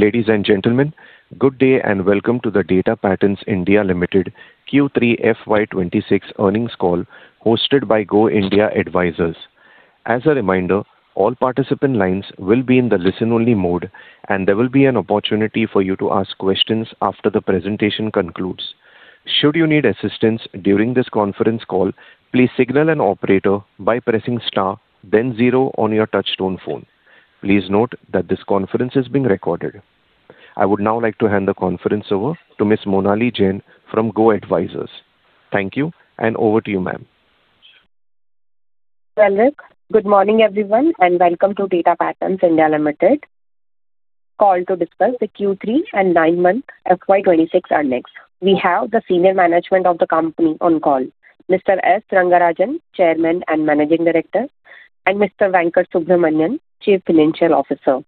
Ladies and gentlemen, good day and welcome to the Data Patterns (India) Limited Q3 FY 2026 earnings call hosted by Go India Advisors. As a reminder, all participant lines will be in the listen-only mode, and there will be an opportunity for you to ask questions after the presentation concludes. Should you need assistance during this conference call, please signal an operator by pressing star, then zero on your touch-tone phone. Please note that this conference is being recorded. I would now like to hand the conference over to Ms. Monali Jain from Go India Advisors. Thank you, and over to you, ma'am. Well, Right, good morning everyone, and welcome to Data Patterns (India) Limited call to discuss the Q3 and nine-month FY 2026 earnings. We have the senior management of the company on call, Mr. S. Rangarajan, Chairman and Managing Director, and Mr. Venkata Subramanian, Chief Financial Officer.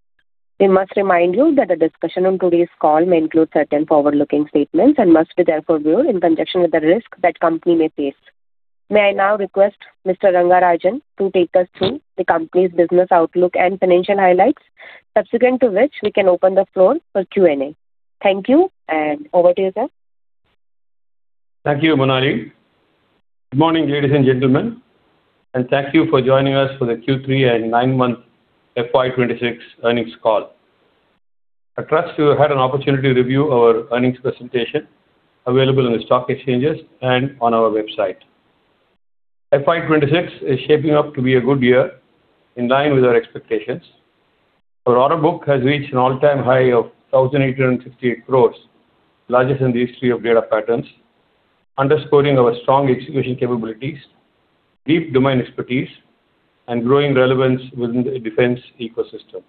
We must remind you that the discussion on today's call may include certain forward-looking statements and must therefore be viewed in conjunction with the risks that the company may face. May I now request Mr. Rangarajan to take us through the company's business outlook and financial highlights, subsequent to which we can open the floor for Q&A? Thank you, and over to you, sir. Thank you, Monali. Good morning, ladies and gentlemen, and thank you for joining us for the Q3 and nine-month FY 2026 earnings call. I trust you had an opportunity to review our earnings presentation available on the stock exchanges and on our website. FY 2026 is shaping up to be a good year in line with our expectations. Our order book has reached an all-time high of 1,868 crores, largest in the history of Data Patterns, underscoring our strong execution capabilities, deep domain expertise, and growing relevance within the defense ecosystem.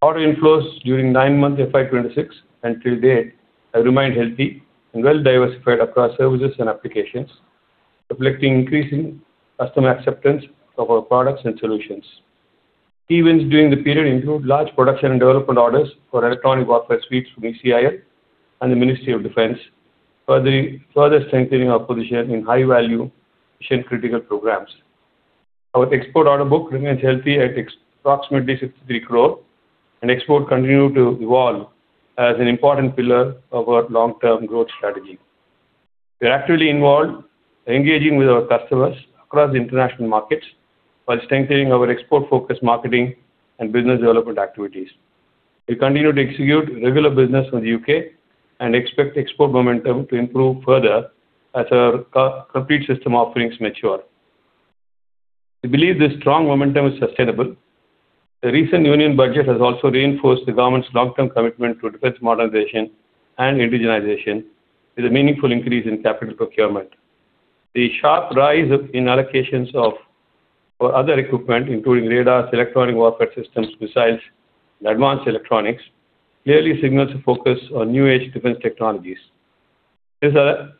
Order inflows during nine-month FY 2026 until date have remained healthy and well-diversified across services and applications, reflecting increasing customer acceptance of our products and solutions. Key wins during the period include large production and development orders for electronic warfare suites from ECIL and the Ministry of Defence, further strengthening our position in high-value, mission-critical programs. Our export order book remains healthy at approximately 63 crore, and exports continue to evolve as an important pillar of our long-term growth strategy. We are actively engaging with our customers across international markets while strengthening our export-focused marketing and business development activities. We continue to execute regular business with the U.K. and expect export momentum to improve further as our complete system offerings mature. We believe this strong momentum is sustainable. The recent union budget has also reinforced the government's long-term commitment to defense modernization and indigenization with a meaningful increase in capital procurement. The sharp rise in allocations for other equipment, including radars, electronic warfare systems, missiles, and advanced electronics, clearly signals a focus on new-age defense technologies. This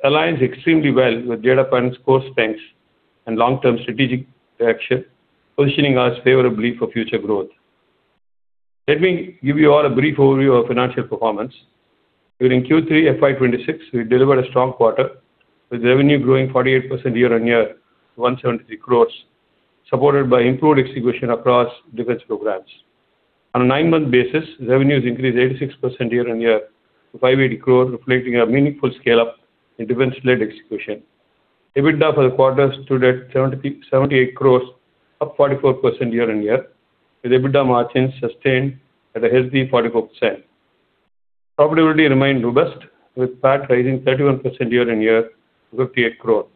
aligns extremely well with Data Patterns' core strengths and long-term strategic direction, positioning us favorably for future growth. Let me give you all a brief overview of financial performance. During Q3 FY 2026, we delivered a strong quarter, with revenue growing 48% year-on-year, to 173 crores, supported by improved execution across defense programs. On a nine-month basis, revenues increased 86% year-on-year, to 580 crore, reflecting a meaningful scale-up in defense-led execution. EBITDA for the quarter stood at 78 crores, up 44% year-on-year, with EBITDA margins sustained at a healthy 44%. Profitability remained robust, with PAT rising 31% year-on-year, to 58 crore,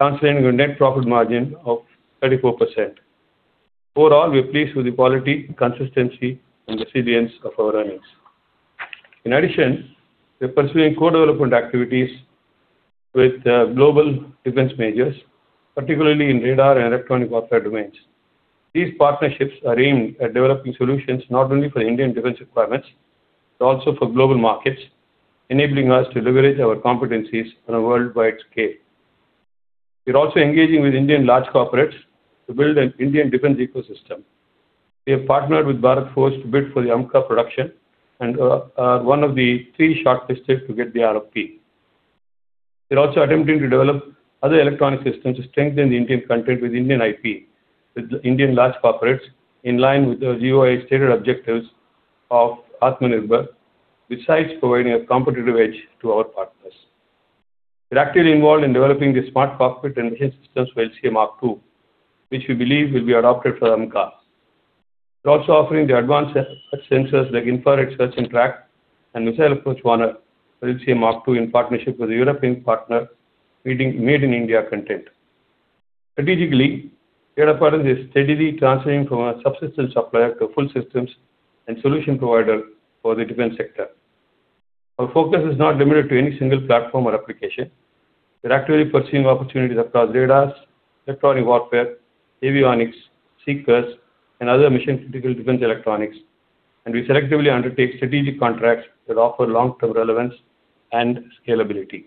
translating to a net profit margin of 34%. Overall, we're pleased with the quality, consistency, and resilience of our earnings. In addition, we're pursuing co-development activities with global defense majors, particularly in radar and electronic warfare domains. These partnerships are aimed at developing solutions not only for Indian defense requirements but also for global markets, enabling us to leverage our competencies on a worldwide scale. We're also engaging with Indian large corporates to build an Indian defense ecosystem. We have partnered with Bharat Forge to bid for the AMCA production and are one of the three shortlisted to get the RFP. We're also attempting to develop other electronic systems to strengthen the Indian content with Indian IP, with Indian large corporates in line with the GoI stated objectives of Atmanirbhar, besides providing a competitive edge to our partners. We're actively involved in developing the smart cockpit and mission systems for LCA Mark II, which we believe will be adopted for the AMCA. We're also offering the advanced search sensors like Infrared Search and Track and Missile Approach Warner for LCA Mark II in partnership with a European partner made in India content. Strategically, Data Patterns is steadily transferring from a subsistence supplier to a full systems and solution provider for the defense sector. Our focus is not limited to any single platform or application. We're actively pursuing opportunities across radars, electronic warfare, avionics, seekers, and other mission-critical defense electronics, and we selectively undertake strategic contracts that offer long-term relevance and scalability.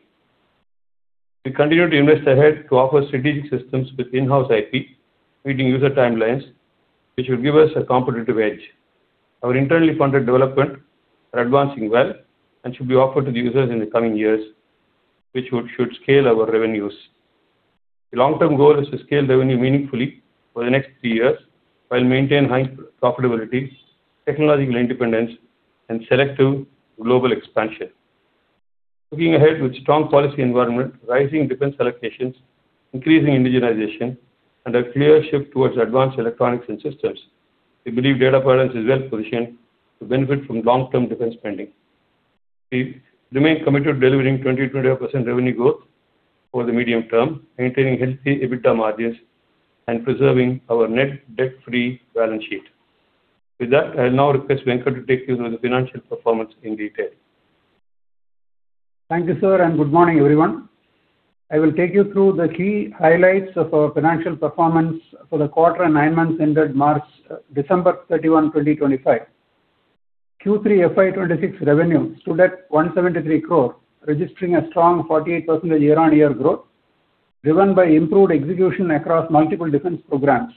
We continue to invest ahead to offer strategic systems with in-house IP, meeting user timelines, which will give us a competitive edge. Our internally funded development is advancing well and should be offered to the users in the coming years, which should scale our revenues. The long-term goal is to scale revenue meaningfully over the next three years while maintaining high profitability, technological independence, and selective global expansion. Looking ahead, with a strong policy environment, rising defense allocations, increasing indigenization, and a clear shift towards advanced electronics and systems, we believe Data Patterns is well positioned to benefit from long-term defense spending. We remain committed to delivering 20%-25% revenue growth over the medium term, maintaining healthy EBITDA margins, and preserving our net debt-free balance sheet. With that, I will now request Venkat to take you through the financial performance in detail. Thank you, sir, and good morning, everyone. I will take you through the key highlights of our financial performance for the quarter and nine months ended December 31, 2025. Q3 FY 2026 revenue stood at 173 crore, registering a strong 48% year-on-year growth driven by improved execution across multiple defense programs.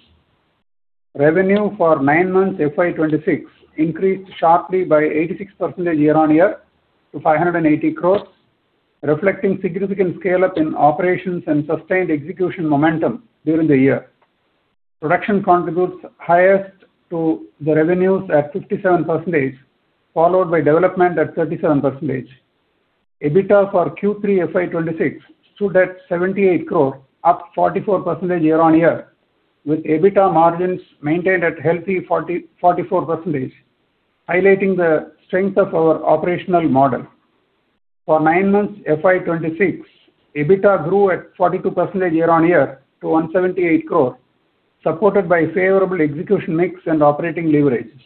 Revenue for nine months FY 2026 increased sharply by 86% year-on-year to 580 crores, reflecting significant scale-up in operations and sustained execution momentum during the year. Production contributes highest to the revenues at 57%, followed by development at 37%. EBITDA for Q3 FY 2026 stood at 78 crore, up 44% year-on-year, with EBITDA margins maintained at a healthy 44%, highlighting the strength of our operational model. For nine-months FY 2026, EBITDA grew at 42% year-on-year to 178 crore, supported by favorable execution mix and operating leverages.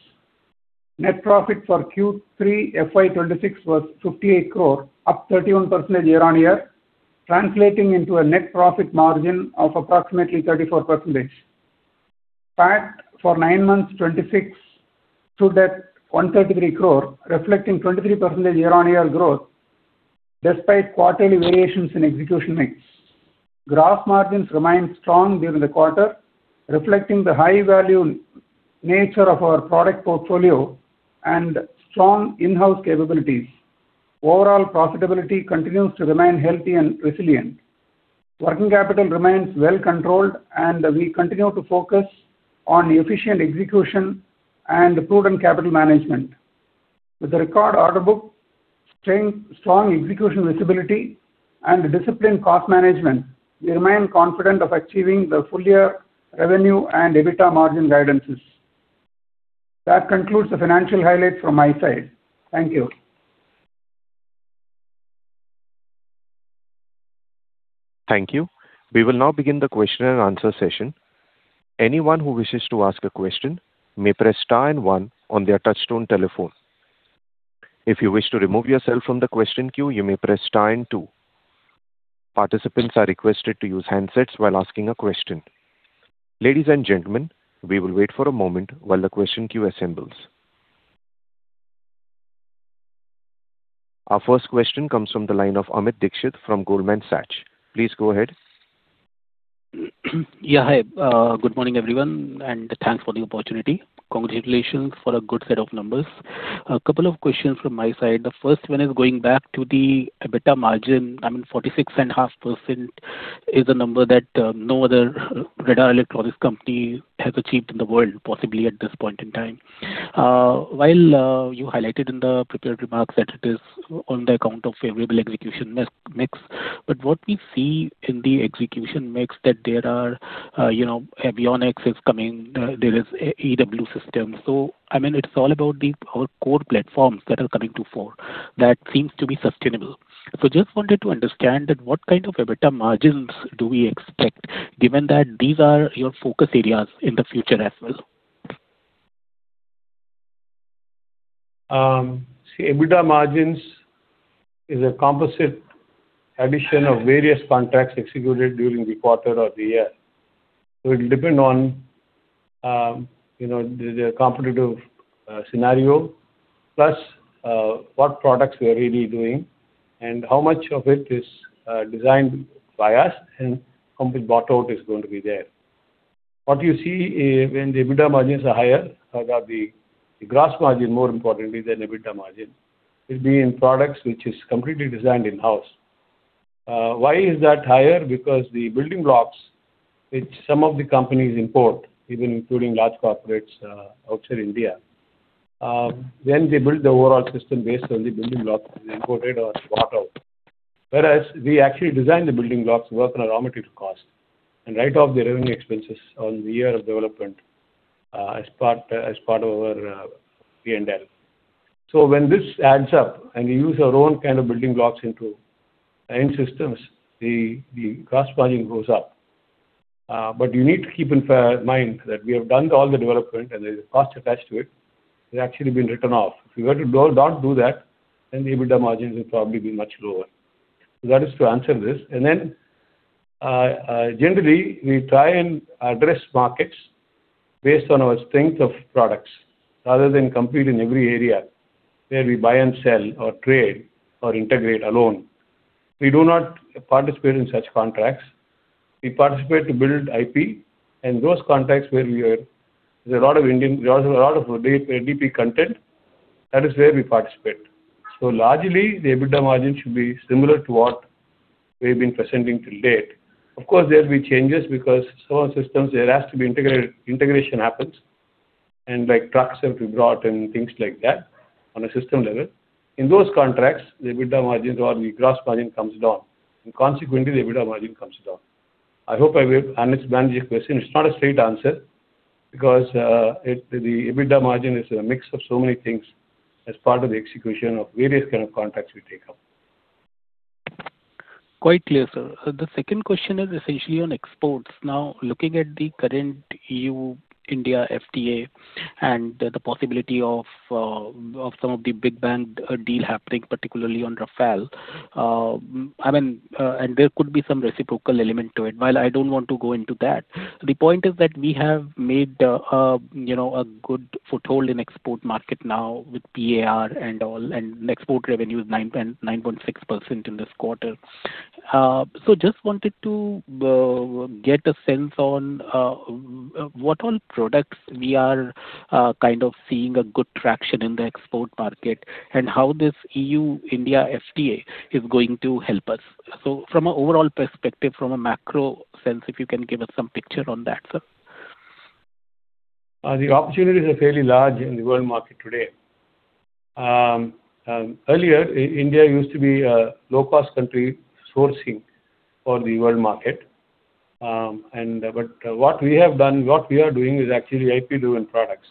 Net profit for Q3 FY 2026 was 58 crore, up 31% year-on-year, translating into a net profit margin of approximately 34%. PAT for nine-months FY 2026 stood at 133 crore, reflecting 23% year-on-year growth despite quarterly variations in execution mix. Gross margins remained strong during the quarter, reflecting the high-value nature of our product portfolio and strong in-house capabilities. Overall profitability continues to remain healthy and resilient. Working capital remains well controlled, and we continue to focus on efficient execution and prudent capital management. With the record order book, strong execution visibility, and disciplined cost management, we remain confident of achieving the full-year revenue and EBITDA margin guidances. That concludes the financial highlights from my side. Thank you. Thank you. We will now begin the question-and-answer session. Anyone who wishes to ask a question may press star and one on their touch-tone telephone. If you wish to remove yourself from the question queue, you may press star and two. Participants are requested to use handsets while asking a question. Ladies and gentlemen, we will wait for a moment while the question queue assembles. Our first question comes from the line of Amit Dixit from Goldman Sachs. Please go ahead. Yeah, hi. Good morning, everyone, and thanks for the opportunity. Congratulations for a good set of numbers. A couple of questions from my side. The first one is going back to the EBITDA margin. I mean, 46.5% is a number that no other radar electronics company has achieved in the world, possibly at this point in time. While you highlighted in the prepared remarks that it is on the account of favorable execution mix, but what we see in the execution mix is that there are avionics coming, there is EW systems. So, I mean, it's all about our core platforms that are coming to fore that seem to be sustainable. So I just wanted to understand what kind of EBITDA margins do we expect, given that these are your focus areas in the future as well? See, EBITDA margins is a composite addition of various contracts executed during the quarter or the year. So it will depend on the competitive scenario, plus what products we are really doing, and how much of it is designed by us and how much bought out is going to be there. What you see when the EBITDA margins are higher, the gross margin more importantly than EBITDA margin, will be in products which are completely designed in-house. Why is that higher? Because the building blocks which some of the companies import, even including large corporates outside India, when they build the overall system based on the building blocks imported or bought out. Whereas, we actually design the building blocks, work on a raw material cost, and write off the revenue expenses on the year of development as part of our P&L. So when this adds up and we use our own kind of building blocks into end systems, the gross margin goes up. But you need to keep in mind that we have done all the development, and the cost attached to it has actually been written off. If we were to not do that, then the EBITDA margins would probably be much lower. So that is to answer this. And then, generally, we try and address markets based on our strength of products rather than competing in every area where we buy and sell or trade or integrate alone. We do not participate in such contracts. We participate to build IP. And those contracts where there's a lot of Indian there's also a lot of DP content, that is where we participate. So largely, the EBITDA margin should be similar to what we have been presenting till date. Of course, there will be changes because some of our systems, there has to be integration happens, and trucks have to be brought and things like that on a system level. In those contracts, the EBITDA margin or the gross margin comes down. Consequently, the EBITDA margin comes down. I hope I managed your question. It's not a straight answer because the EBITDA margin is a mix of so many things as part of the execution of various kinds of contracts we take up. Quite clear, sir. The second question is essentially on exports. Now, looking at the current EU-India FTA and the possibility of some of the big bang deal happening, particularly on Rafale, I mean, and there could be some reciprocal element to it, while I don't want to go into that, the point is that we have made a good foothold in the export market now with PAR and all, and export revenue is 9.6% in this quarter. So I just wanted to get a sense on what all products we are kind of seeing a good traction in the export market and how this EU-India FTA is going to help us. So from an overall perspective, from a macro sense, if you can give us some picture on that, sir. The opportunities are fairly large in the world market today. Earlier, India used to be a low-cost country sourcing for the world market. But what we have done, what we are doing is actually IP-driven products.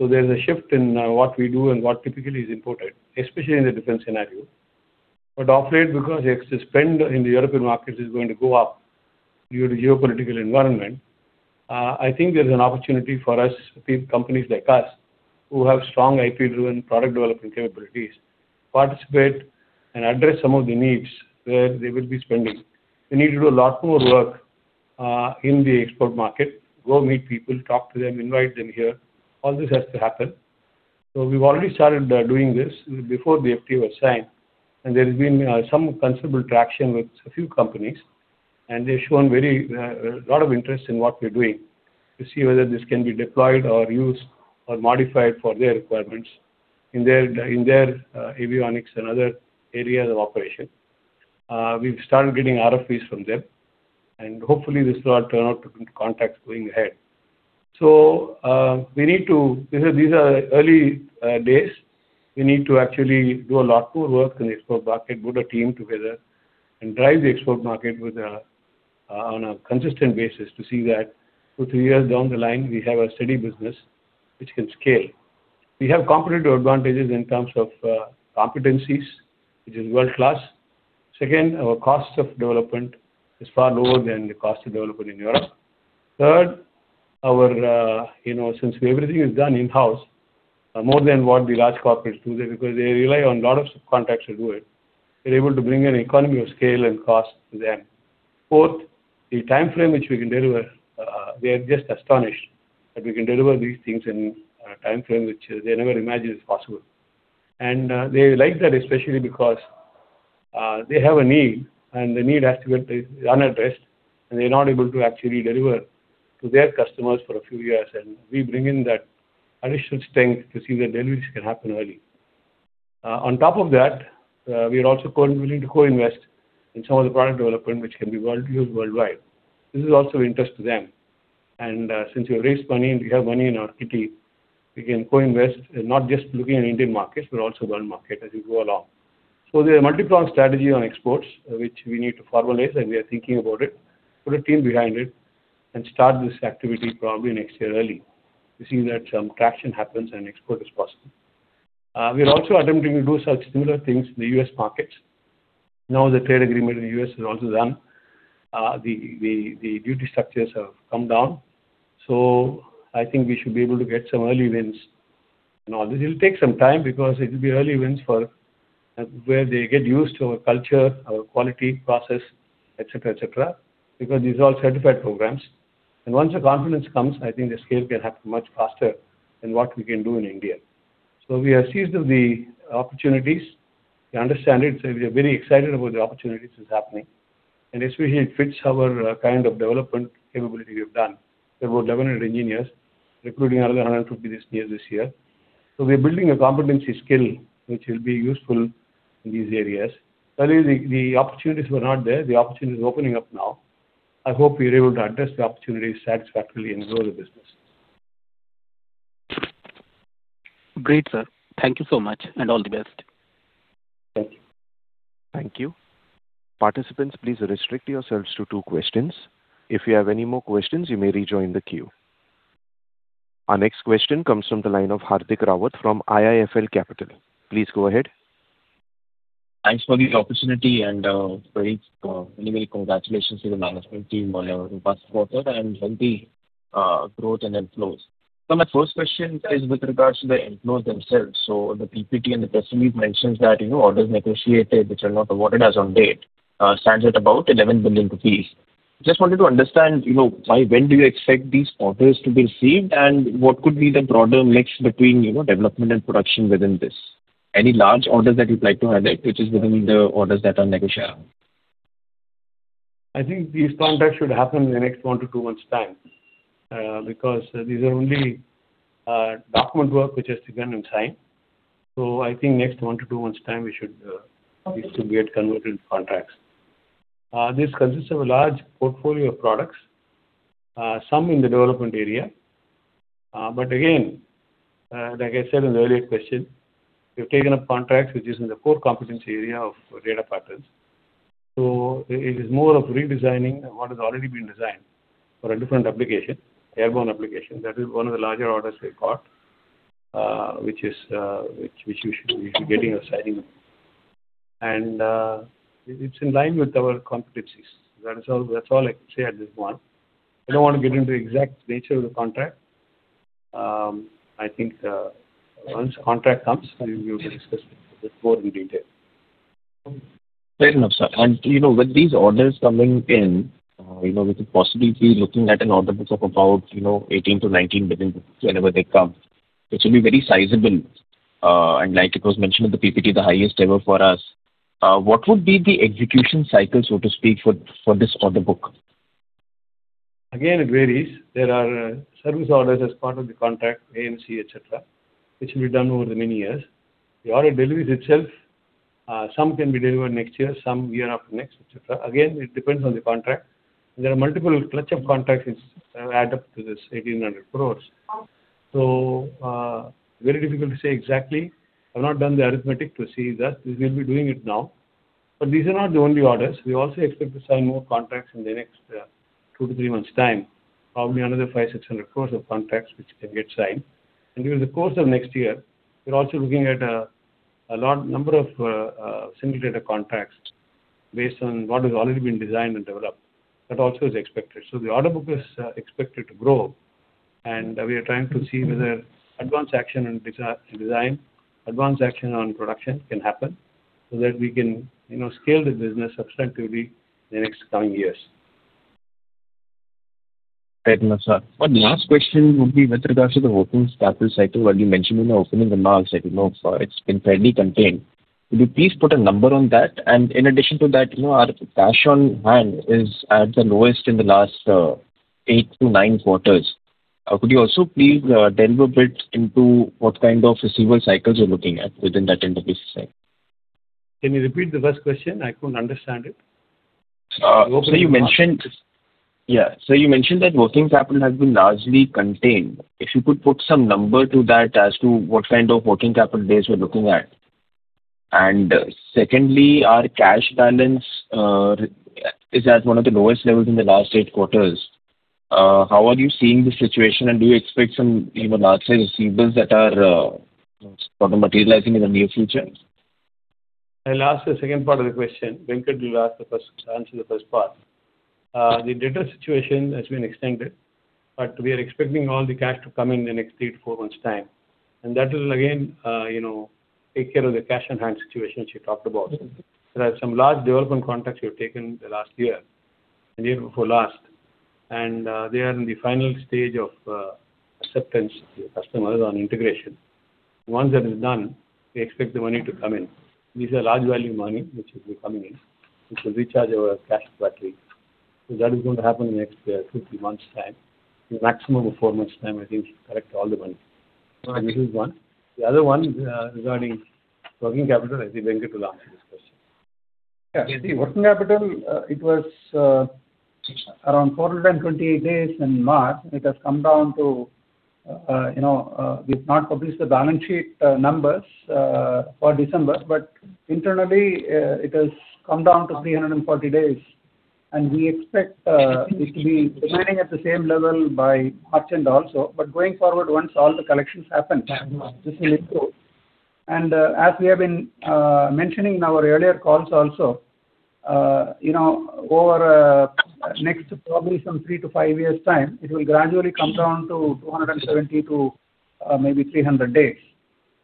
So there's a shift in what we do and what typically is imported, especially in the defense scenario. But of late, because the spend in the European markets is going to go up due to geopolitical environment, I think there's an opportunity for us, companies like us, who have strong IP-driven product development capabilities, to participate and address some of the needs where they will be spending. We need to do a lot more work in the export market, go meet people, talk to them, invite them here. All this has to happen. So we've already started doing this before the FTA was signed. There has been some considerable traction with a few companies, and they've shown a lot of interest in what we're doing to see whether this can be deployed or used or modified for their requirements in their avionics and other areas of operation. We've started getting RFPs from them, and hopefully, this will all turn out into contracts going ahead. So we need to these are early days. We need to actually do a lot more work in the export market, build a team together, and drive the export market on a consistent basis to see that, two years, three years down the line, we have a steady business which can scale. We have competitive advantages in terms of competencies, which is world-class. Second, our cost of development is far lower than the cost of development in Europe. Third, since everything is done in-house, more than what the large corporates do, because they rely on a lot of subcontractors to do it, they're able to bring an economy of scale and cost to them. Fourth, the time frame which we can deliver, they are just astonished that we can deliver these things in a time frame which they never imagined is possible. And they like that especially because they have a need, and the need has to get unaddressed, and they're not able to actually deliver to their customers for a few years. And we bring in that additional strength to see that deliveries can happen early. On top of that, we are also willing to co-invest in some of the product development which can be used worldwide. This is also of interest to them. And since we've raised money and we have money in our kitty, we can co-invest not just looking at the Indian markets but also the world market as we go along. So there's a multi-pronged strategy on exports which we need to formalize, and we are thinking about it, put a team behind it, and start this activity probably next year early to see that some traction happens and export is possible. We're also attempting to do some similar things in the U.S. markets. Now, the trade agreement in the U.S. is also done. The duty structures have come down. So I think we should be able to get some early wins in all this. It'll take some time because it'll be early wins for where they get used to our culture, our quality process, etc., etc., because these are all certified programs. Once the confidence comes, I think the scale can happen much faster than what we can do in India. We have seized the opportunities. We understand it. We are very excited about the opportunities that are happening. Especially, it fits our kind of development capability we have done. There were 1,100 engineers recruiting another 150 engineers this year. We are building a competency skill which will be useful in these areas. Earlier, the opportunities were not there. The opportunity is opening up now. I hope we are able to address the opportunities satisfactorily and grow the business. Great, sir. Thank you so much, and all the best. Thank you. Thank you. Participants, please restrict yourselves to two questions. If you have any more questions, you may rejoin the queue. Our next question comes from the line of Hardik Rawat from IIFL Capital. Please go ahead. Thanks for the opportunity, and many congratulations to the management team on the robust quarter and healthy growth and inflows. So my first question is with regards to the inflows themselves. So the PPT and the press release mentioned that orders negotiated which are not awarded as on date stands at about 11 billion rupees. Just wanted to understand why when do you expect these orders to be received, and what could be the broader mix between development and production within this? Any large orders that you'd like to highlight which are within the orders that are negotiated? I think these contracts should happen in the next one to two months' time because these are only document work which has begun and signed. So I think next one to two months' time, these should get converted into contracts. This consists of a large portfolio of products, some in the development area. But again, like I said in the earlier question, we've taken up contracts which are in the core competency area of Data Patterns. So it is more of redesigning what has already been designed for a different application, airborne application. That is one of the larger orders we've got which you should be getting or signing. And it's in line with our competencies. That's all I can say at this point. I don't want to get into the exact nature of the contract. I think once the contract comes, we will discuss this more in detail. Fair enough, sir. With these orders coming in, we could possibly be looking at an order book of about 18 bilion-INR 19 billion whenever they come. It should be very sizable. Like it was mentioned in the PPT, the highest ever for us. What would be the execution cycle, so to speak, for this order book? Again, it varies. There are service orders as part of the contract, AMC, etc., which will be done over the many years. The order deliveries itself, some can be delivered next year, some year after next, etc. Again, it depends on the contract. There are multiple catch-up contracts which add up to this 1,800 crores. Very difficult to say exactly. I've not done the arithmetic to see this. We'll be doing it now. But these are not the only orders. We also expect to sign more contracts in the next two to three months' time, probably another 500 crores-600 crores of contracts which can get signed. During the course of next year, we're also looking at a number of single-vendor contracts based on what has already been designed and developed. That also is expected. The order book is expected to grow. We are trying to see whether advanced action and design, advanced action on production can happen so that we can scale the business substantively in the next coming years. Fair enough, sir. One last question would be with regards to the working capital cycle. While you mentioned in the opening remarks, I do know it's been fairly contained. Could you please put a number on that? And in addition to that, our cash on hand is at the lowest in the last eight to nine quarters. Could you also please delve a bit into what kind of receivable cycles you're looking at within that interface? Can you repeat the first question? I couldn't understand it. So you mentioned that working capital has been largely contained. If you could put some number to that as to what kind of working capital days we're looking at? And secondly, our cash balance is at one of the lowest levels in the last eight quarters. How are you seeing the situation? And do you expect some large-sized receivables that are sort of materializing in the near future? I'll ask the second part of the question. Venkat, you answered the first part. The debt situation has been extended, but we are expecting all the cash to come in the next three to four months' time. And that will, again, take care of the cash on hand situation which you talked about. There are some large development contracts you've taken the last year and the year before last. And they are in the final stage of acceptance to the customers on integration. Once that is done, we expect the money to come in. These are large-value money which will be coming in, which will recharge our cash battery. So that is going to happen in the next two to three months' time, maximum of four months' time, I think, to collect all the money. So this is one. The other one regarding working capital, I see Venkat will answer this question. Yeah. See, working capital, it was around 428 days in March. It has come down to we have not published the balance sheet numbers for December, but internally, it has come down to 340 days. And we expect it to be remaining at the same level by March end also. But going forward, once all the collections happen, this will improve. And as we have been mentioning in our earlier calls also, over next probably some three to five years' time, it will gradually come down to 270 days-300 days.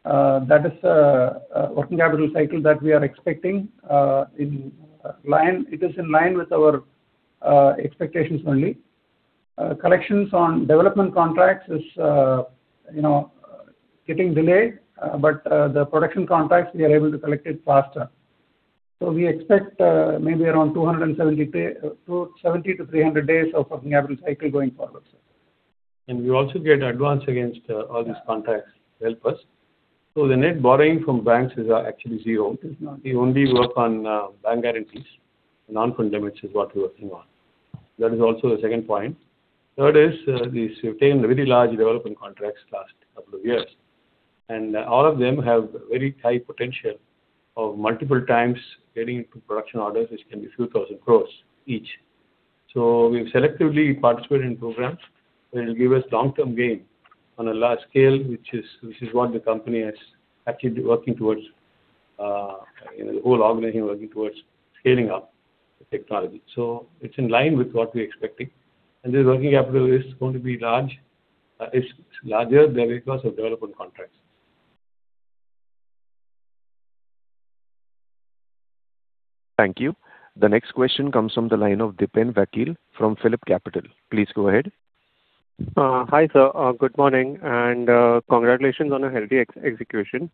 That is a working capital cycle that we are expecting in line. It is in line with our expectations only. Collections on development contracts are getting delayed, but the production contracts, we are able to collect it faster. So we expect maybe around 270 days-300 days of working capital cycle going forward, sir. We also get advance against all these contracts to help us. So the net borrowing from banks is actually zero. We only work on bank guarantees. Non-fund limits is what we're working on. That is also the second point. Third is we've obtained very large development contracts the last couple of years. And all of them have very high potential of multiple times getting into production orders which can be a few thousand crores each. So we've selectively participated in programs that will give us long-term gain on a large scale, which is what the company is actually working towards, the whole organization working towards scaling up the technology. So it's in line with what we're expecting. And this working capital is going to be large. It's larger because of development contracts. Thank you. The next question comes from the line of Dipen Vakil from PhillipCapital. Please go ahead. Hi, sir. Good morning. Congratulations on a healthy execution.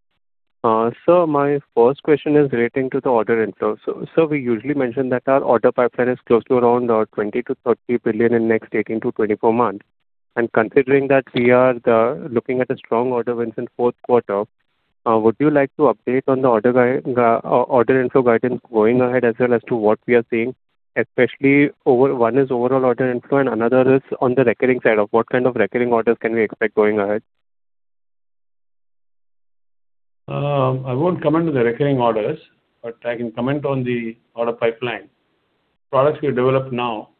Sir, my first question is relating to the order inflow. Sir, we usually mention that our order pipeline is close to around 20 billion-30 billion in the next 18 months-24 months. Considering that we are looking at strong order wins in the fourth quarter, would you like to update on the order inflow guidance going ahead as well as to what we are seeing, especially one is overall order inflow and another is on the recurring side of what kind of recurring orders can we expect going ahead? I won't comment on the recurring orders, but I can comment on the order pipeline. Products we develop now,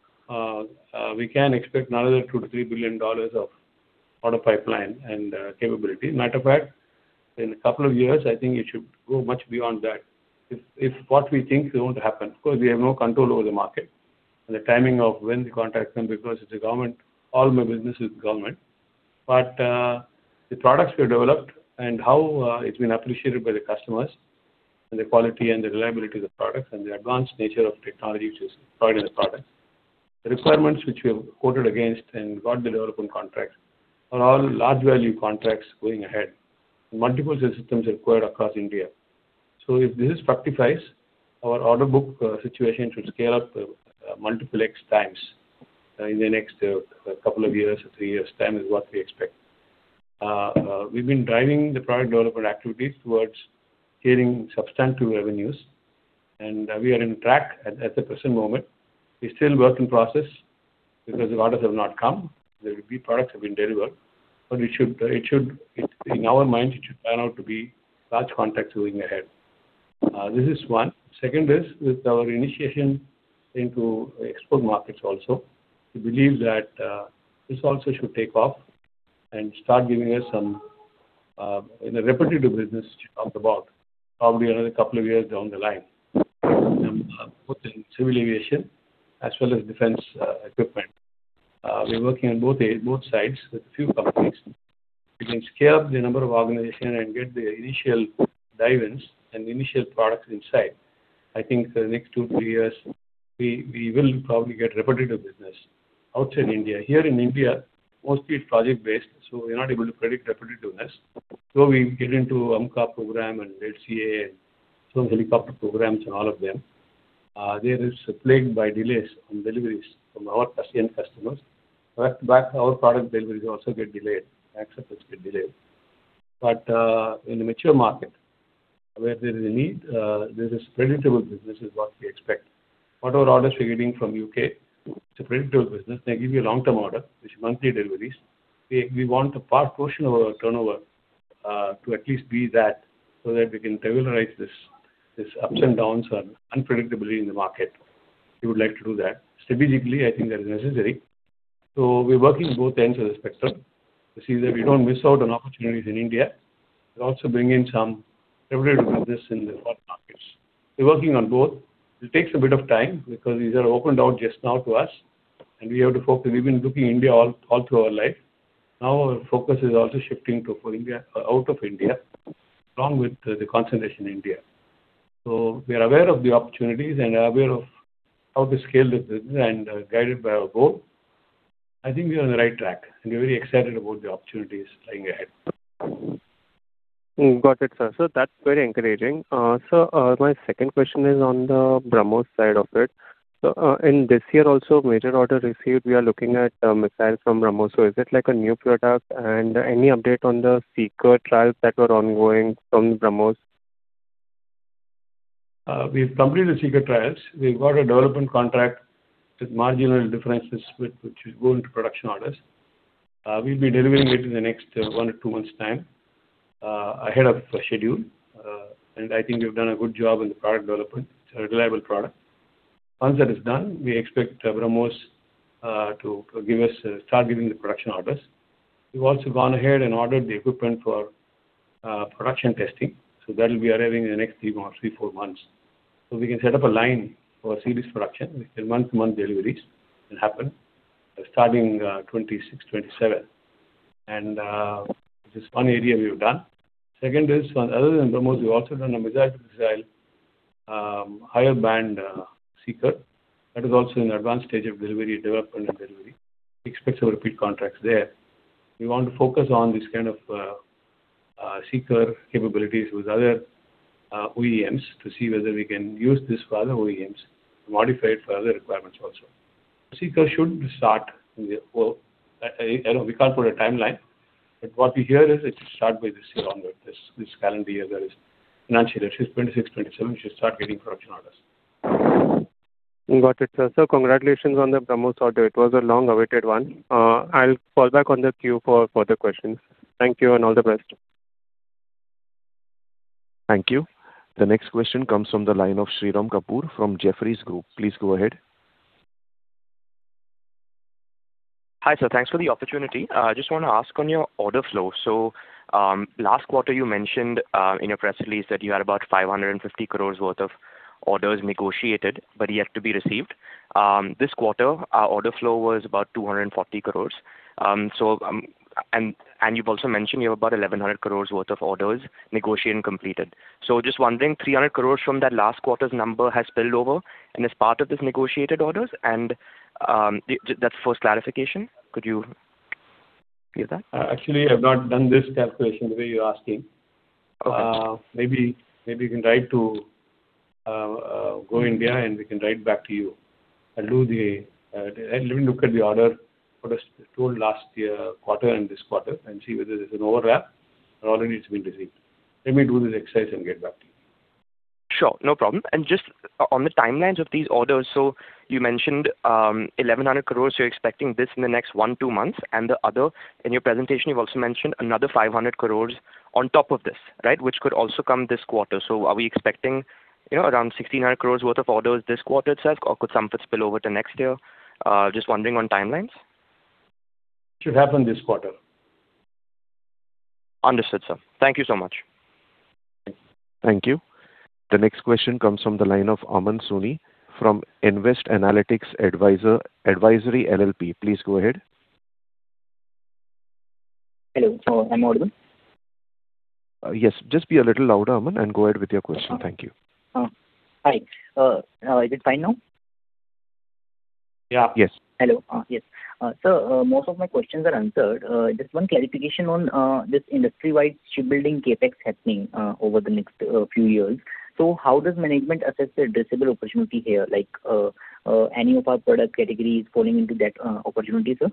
we can expect another $2 billion-$3 billion of order pipeline and capability. Matter of fact, in a couple of years, I think it should go much beyond that if what we think is going to happen. Of course, we have no control over the market and the timing of when the contracts come because it's a government all my business is government. But the products we have developed and how it's been appreciated by the customers and the quality and the reliability of the products and the advanced nature of technology which is deployed in the products, the requirements which we have quoted against and got the development contracts are all large-value contracts going ahead and multiple systems required across India. So if this fructifies, our order book situation should scale up multiple X times in the next couple of years or three years. Time is what we expect. We've been driving the product development activities towards getting substantive revenues. And we are on track at the present moment. We're still work in process because the orders have not come. There will be products that have been delivered. But in our minds, it should turn out to be large contracts going ahead. This is one. Second is with our initiation into export markets also. We believe that this also should take off and start giving us some repetitive business off the board probably another couple of years down the line both in civil aviation as well as defense equipment. We're working on both sides with a few companies. We can scale up the number of organizations and get the initial designs and initial products inside. I think the next two to three years, we will probably get repetitive business outside India. Here in India, mostly, it's project-based. So we're not able to predict repetitiveness. So we get into AMCA program and LCA and some helicopter programs and all of them. There is plagued by delays on deliveries from our ASEAN customers. Our product deliveries also get delayed. Acceptance gets delayed. But in the mature market where there is a need, this is predictable business is what we expect. Whatever orders we're getting from the U.K., it's a predictable business. They give you a long-term order which is monthly deliveries. We want a portion of our turnover to at least be that so that we can regularize these ups and downs unpredictably in the market. We would like to do that. Strategically, I think that is necessary. So we're working both ends of the spectrum to see that we don't miss out on opportunities in India but also bring in some repetitive business in the foreign markets. We're working on both. It takes a bit of time because these are opened out just now to us. And we have to focus. We've been looking at India all through our life. Now, our focus is also shifting out of India along with the concentration in India. So we are aware of the opportunities and aware of how to scale this business and guided by our goal. I think we are on the right track. And we're very excited about the opportunities lying ahead. Got it, sir. Sir, that's very encouraging. Sir, my second question is on the BrahMos side of it. So in this year also, major order received, we are looking at missiles from BrahMos. So is it like a new product? And any update on the seeker trials that were ongoing from BrahMos? We've completed the seeker trials. We've got a development contract with marginal differences which will go into production orders. We'll be delivering it in the next one to two months' time ahead of schedule. I think we've done a good job in the product development. It's a reliable product. Once that is done, we expect BrahMos to start giving the production orders. We've also gone ahead and ordered the equipment for production testing. That will be arriving in the next three months or four months. We can set up a line for series production with month-to-month deliveries that happen starting 2026, 2027. This is one area we have done. Second is, other than BrahMos, we've also done a missile-to-missile higher-band seeker. That is also in the advanced stage of delivery, development, and delivery. We expect some repeat contracts there. We want to focus on these kind of seeker capabilities with other OEMs to see whether we can use this for other OEMs and modify it for other requirements also. seeker should start in the—I don't know. We can't put a timeline. But what we hear is it should start by this year onward, this calendar year. There is financial year 2026, 2027. It should start getting production orders. Got it, sir. Sir, congratulations on the BrahMos order. It was a long-awaited one. I'll fall back on the queue for further questions. Thank you and all the best. Thank you. The next question comes from the line of Shirom Kapur from Jefferies Group. Please go ahead. Hi, sir. Thanks for the opportunity. I just want to ask on your order flow. So last quarter, you mentioned in your press release that you had about 550 crores worth of orders negotiated but yet to be received. This quarter, our order flow was about 240 crores. And you've also mentioned you have about 1,100 crores worth of orders negotiated and completed. So just wondering, 300 crores from that last quarter's number has spilled over. And is part of this negotiated orders? And that's the first clarification. Could you give that? Actually, I've not done this calculation the way you're asking. Maybe you can write to Go India, and we can write back to you and do the let me look at the order for the total last quarter and this quarter and see whether there's an overlap or already it's been received. Let me do this exercise and get back to you. Sure. No problem. And just on the timelines of these orders, so you mentioned 1,100 crores. You're expecting this in the next one, two months. And the other, in your presentation, you've also mentioned another 500 crores on top of this, right, which could also come this quarter. So are we expecting around 1,600 crores worth of orders this quarter, it says, or could some of it spill over to next year? Just wondering on timelines. It should happen this quarter. Understood, sir. Thank you so much. Thank you. The next question comes from the line of Aman Soni from Nvest Analytics Advisory LLP. Please go ahead. Hello. Am I audible? Yes. Just be a little louder, Aman, and go ahead with your question. Thank you. Hi. Is it fine now? Yeah. Yes. Hello. Yes. Sir, most of my questions are answered. Just one clarification on this industry-wide shipbuilding CapEx happening over the next few years. So how does management assess the addressable opportunity here? Any of our product categories falling into that opportunity, sir?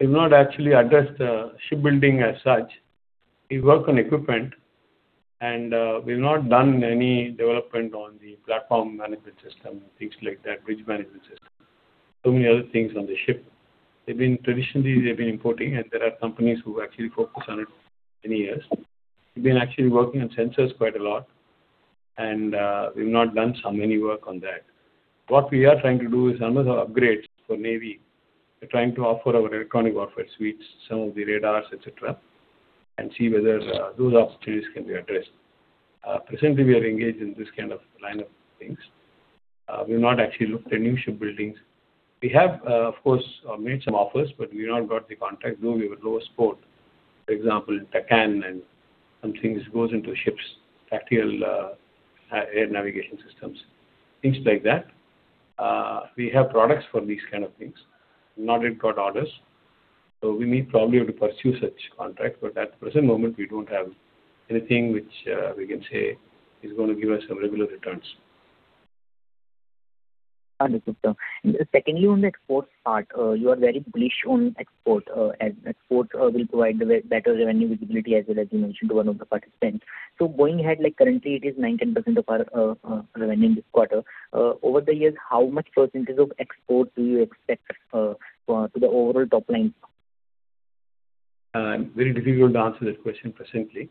We've not actually addressed shipbuilding as such. We work on equipment. We've not done any development on the platform management system, things like that, bridge management system, so many other things on the ship. Traditionally, they've been importing, and there are companies who actually focus on it many years. We've been actually working on sensors quite a lot. We've not done so many work on that. What we are trying to do is almost upgrades for Navy. We're trying to offer our Electronic Warfare suites, some of the radars, etc., and see whether those opportunities can be addressed. Presently, we are engaged in this kind of line of things. We've not actually looked at new shipbuilding. We have, of course, made some offers, but we've not got the contracts, though we have a lower support. For example, in TACAN and some things that go into ships, tactical air navigation systems, things like that. We have products for these kind of things. Not yet got orders. So we may probably have to pursue such contracts. But at the present moment, we don't have anything which we can say is going to give us some regular returns. Understood, sir. Secondly, on the exports part, you are very bullish on export. Exports will provide better revenue visibility, as you mentioned to one of the participants. So going ahead, currently, it is 9%-10% of our revenue this quarter. Over the years, how much percent of exports do you expect to the overall top line? Very difficult to answer that question presently.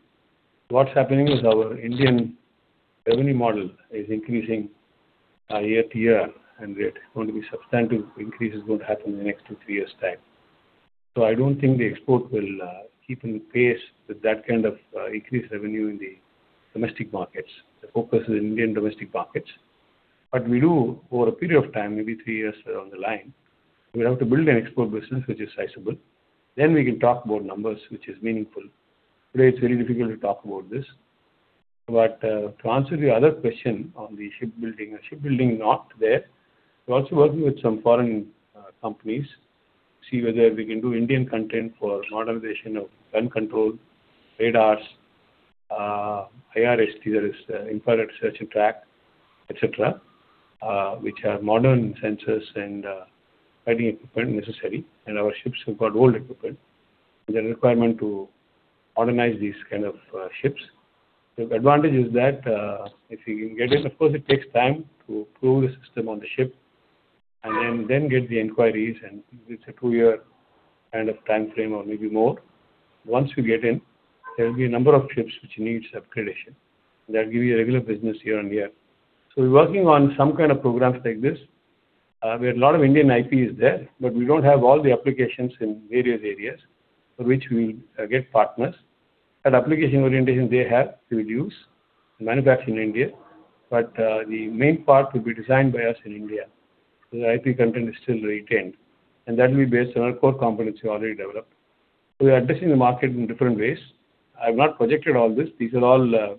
What's happening is our Indian revenue model is increasing year to year. It's going to be substantive increase is going to happen in the next two years, three years' time. So I don't think the export will keep in pace with that kind of increased revenue in the domestic markets. The focus is in Indian domestic markets. But we do, over a period of time, maybe three years on the line, we'll have to build an export business which is sizable. Then we can talk about numbers which is meaningful. Today, it's very difficult to talk about this. But to answer the other question on the shipbuilding or shipbuilding not there, we're also working with some foreign companies to see whether we can do Indian content for modernization of gun control, radars, IRST, that is, Infrared Search and Track, etc., which are modern sensors and fighting equipment necessary. And our ships have got old equipment. There's a requirement to modernize these kind of ships. The advantage is that if you can get in, of course, it takes time to prove the system on the ship and then get the inquiries. And it's a two-year kind of time frame or maybe more. Once you get in, there will be a number of ships which need upgradation. That'll give you a regular business year on year. So we're working on some kind of programs like this. We have a lot of Indian IPs there, but we don't have all the applications in various areas for which we'll get partners. That application orientation they have, we will use and manufacture in India. But the main part will be designed by us in India. So the IP content is still retained. And that will be based on our core competency already developed. So we're addressing the market in different ways. I've not projected all this. These are all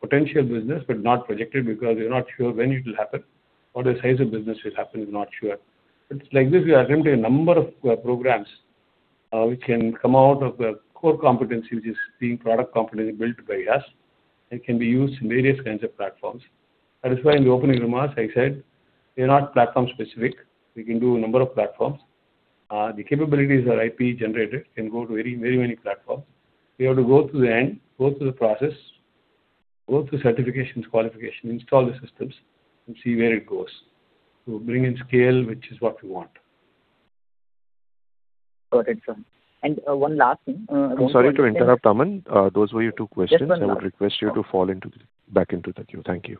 potential business but not projected because we're not sure when it will happen. What the size of business will happen is not sure. But it's like this. We are attempting a number of programs which can come out of the core competency which is being product competency built by us. It can be used in various kinds of platforms. That is why in the opening remarks, I said we are not platform-specific. We can do a number of platforms. The capabilities are IP-generated. It can go to very, very many platforms. We have to go to the end, go through the process, go through certifications, qualifications, install the systems, and see where it goes to bring in scale, which is what we want. Got it, sir. And one last thing. I'm sorry to interrupt, Aman. Those were your two questions. I would request you to fall back into the queue. Thank you.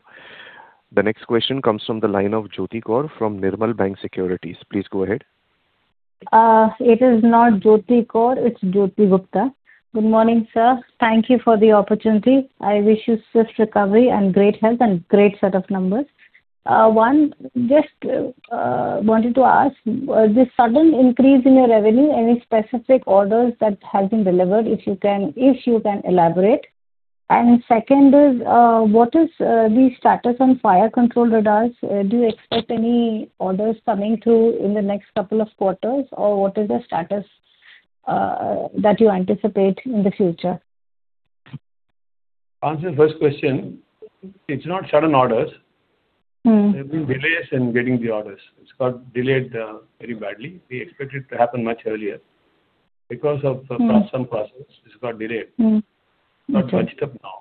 The next question comes from the line of Jyoti Gupta from Nirmal Bang Securities. Please go ahead. It is not Jyoti Kaur. It's Jyoti Gupta. Good morning, sir. Thank you for the opportunity. I wish you swift recovery and great health and great set of numbers. One, just wanted to ask, this sudden increase in your revenue, any specific orders that have been delivered, if you can elaborate. And second is, what is the status on fire control radars? Do you expect any orders coming through in the next couple of quarters? Or what is the status that you anticipate in the future? To answer the first question, it's not sudden orders. There have been delays in getting the orders. It's got delayed very badly. We expected it to happen much earlier because of some process. It's got delayed. It's got bunched up now.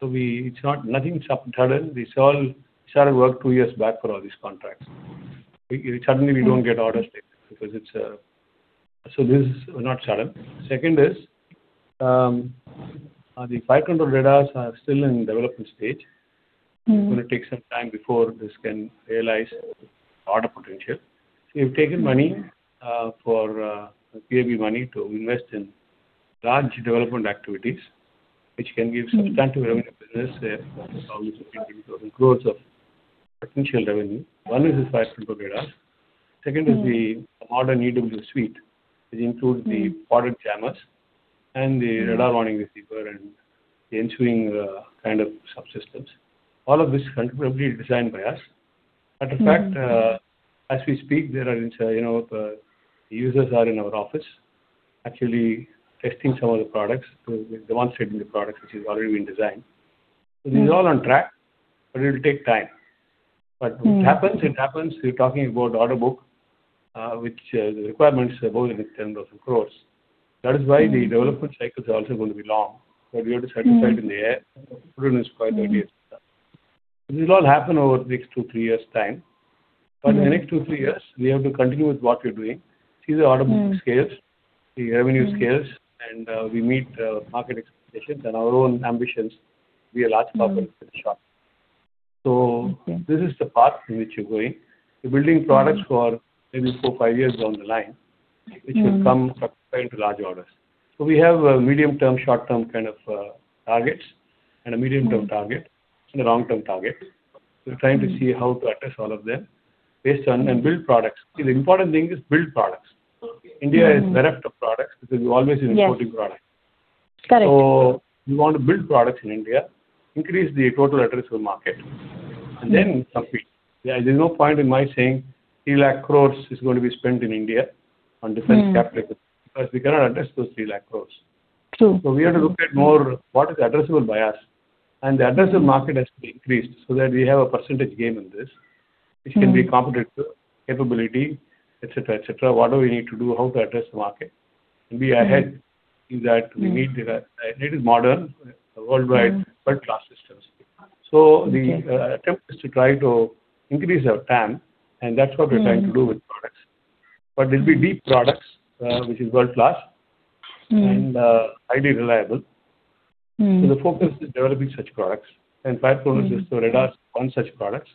So it's nothing sudden. We started work two years back for all these contracts. Suddenly, we don't get orders because it's a so this is not sudden. Second is, the fire control radars are still in development stage. It's going to take some time before this can realize order potential. We've taken money for QIP money to invest in large development activities which can give substantive revenue business of almost INR 15,000 crore of potential revenue. One is the fire control radars. Second is the modern EW suite which includes the powered jammers and the radar warning receiver and the ensuing kind of subsystems. All of this is contributably designed by us. Matter of fact, as we speak, the users are in our office actually testing some of the products. The ones sitting in the products which have already been designed. So these are all on track, but it will take time. But it happens. It happens. We're talking about order book which the requirements are more than 10,000 crore. That is why the development cycle is also going to be long. But we have to certify it in the air. It's quite 30 years, sir. This will all happen over the next two years, three years' time. But in the next two years, three years, we have to continue with what we're doing, see the order book scales, the revenue scales, and we meet market expectations and our own ambitions to be a large corporate in the short term. So this is the path in which we're going. We're building products for maybe four, five years down the line which will come into large orders. So we have medium-term, short-term kind of targets and a medium-term target and a long-term target. We're trying to see how to address all of them and build products. The important thing is build products. India is bereft of products because we're always importing products. So we want to build products in India, increase the total addressable market, and then compete. There's no point in my saying 300,000 crore is going to be spent in India on defense capital because we cannot address those 300,000 crore. So we have to look at more what is addressable by us. And the addressable market has to be increased so that we have a percentage gain in this which can be competitive, capability, etc., etc. What do we need to do? How to address the market? And be ahead in that we need. It is modern, worldwide, world-class systems. So the attempt is to try to increase our TAM, and that's what we're trying to do with products. But it'll be deep products which are world-class and highly reliable. So the focus is developing such products. And fire control is just the radars on such products.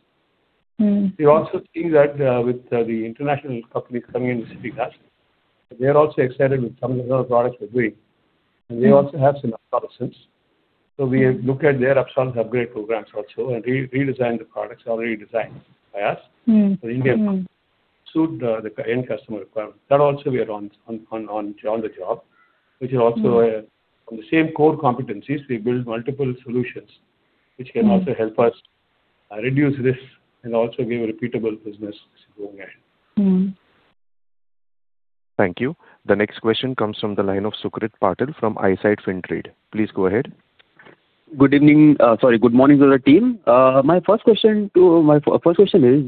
We also see that with the international companies coming into C-UAS, they're also excited with some of the other products we're doing. And they also have some obsolescence. So we look at their obsolescence upgrade programs also and redesign the products already designed by us for the Indian. Suit the end customer requirements. That also, we are on the job, which is also from the same core competencies. We build multiple solutions which can also help us reduce risk and also give repeatable business as we're going ahead. Thank you. The next question comes from the line of Sucrit Patil from Eyesight Fintrade. Please go ahead. Good evening, sorry, good morning to the team. My first question is,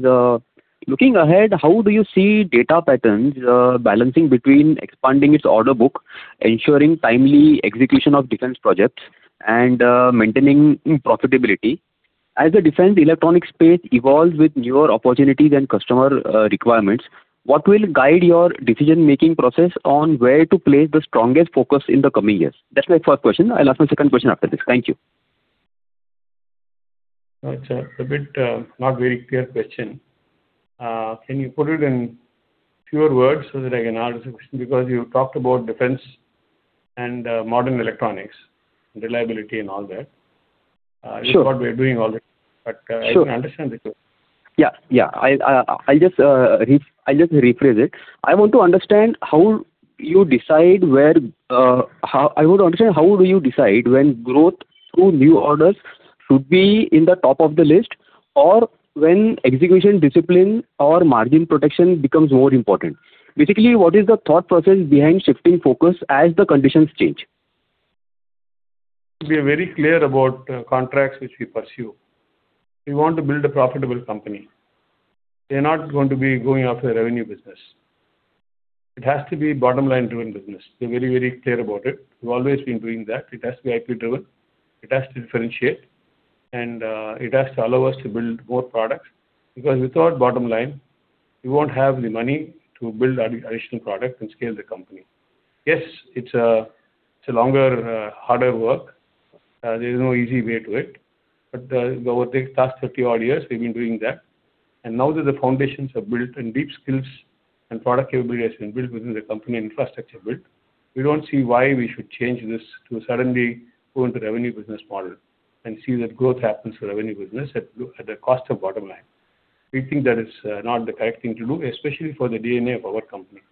looking ahead, how do you see Data Patterns balancing between expanding its order book, ensuring timely execution of defense projects, and maintaining profitability? As the defense electronics space evolves with newer opportunities and customer requirements, what will guide your decision-making process on where to place the strongest focus in the coming years? That's my first question. I'll ask my second question after this. Thank you. It's a bit not very clear question. Can you put it in fewer words so that I can answer the question? Because you talked about defense and modern electronics and reliability and all that. It's not what we're doing already. But I can understand the question. Yeah. Yeah. I'll just rephrase it. I want to understand how do you decide when growth through new orders should be in the top of the list or when execution discipline or margin protection becomes more important? Basically, what is the thought process behind shifting focus as the conditions change? We are very clear about contracts which we pursue. We want to build a profitable company. We are not going to be going after revenue business. It has to be bottom-line-driven business. We are very, very clear about it. We've always been doing that. It has to be IP-driven. It has to differentiate. And it has to allow us to build more products because without bottom line, we won't have the money to build additional product and scale the company. Yes, it's a longer, harder work. There is no easy way to it. But over the past 30-odd years, we've been doing that. Now that the foundations are built and deep skills and product capabilities have been built within the company and infrastructure built, we don't see why we should change this to suddenly go into revenue business model and see that growth happens through revenue business at the cost of bottom line. We think that is not the correct thing to do, especially for the DNA of our company.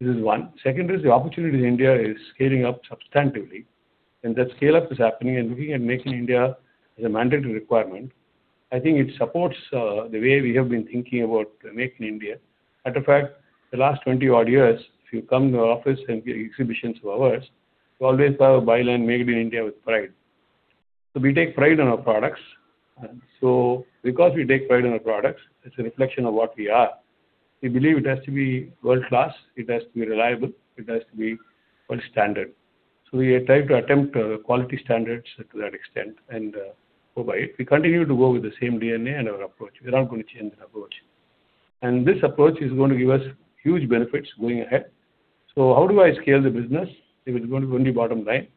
This is one. Second is the opportunity in India is scaling up substantively. And that scale-up is happening. And looking at Make in India as a mandatory requirement, I think it supports the way we have been thinking about Make in India. Matter of fact, the last 20-odd years, if you come to our office and get exhibitions of ours, we always have a byline, "Make it in India" with pride. So we take pride in our products. So because we take pride in our products, it's a reflection of what we are. We believe it has to be world-class. It has to be reliable. It has to be world-standard. So we try to attempt quality standards to that extent and go by it. We continue to go with the same DNA and our approach. We're not going to change the approach. And this approach is going to give us huge benefits going ahead. So how do I scale the business if it's going to be only bottom line?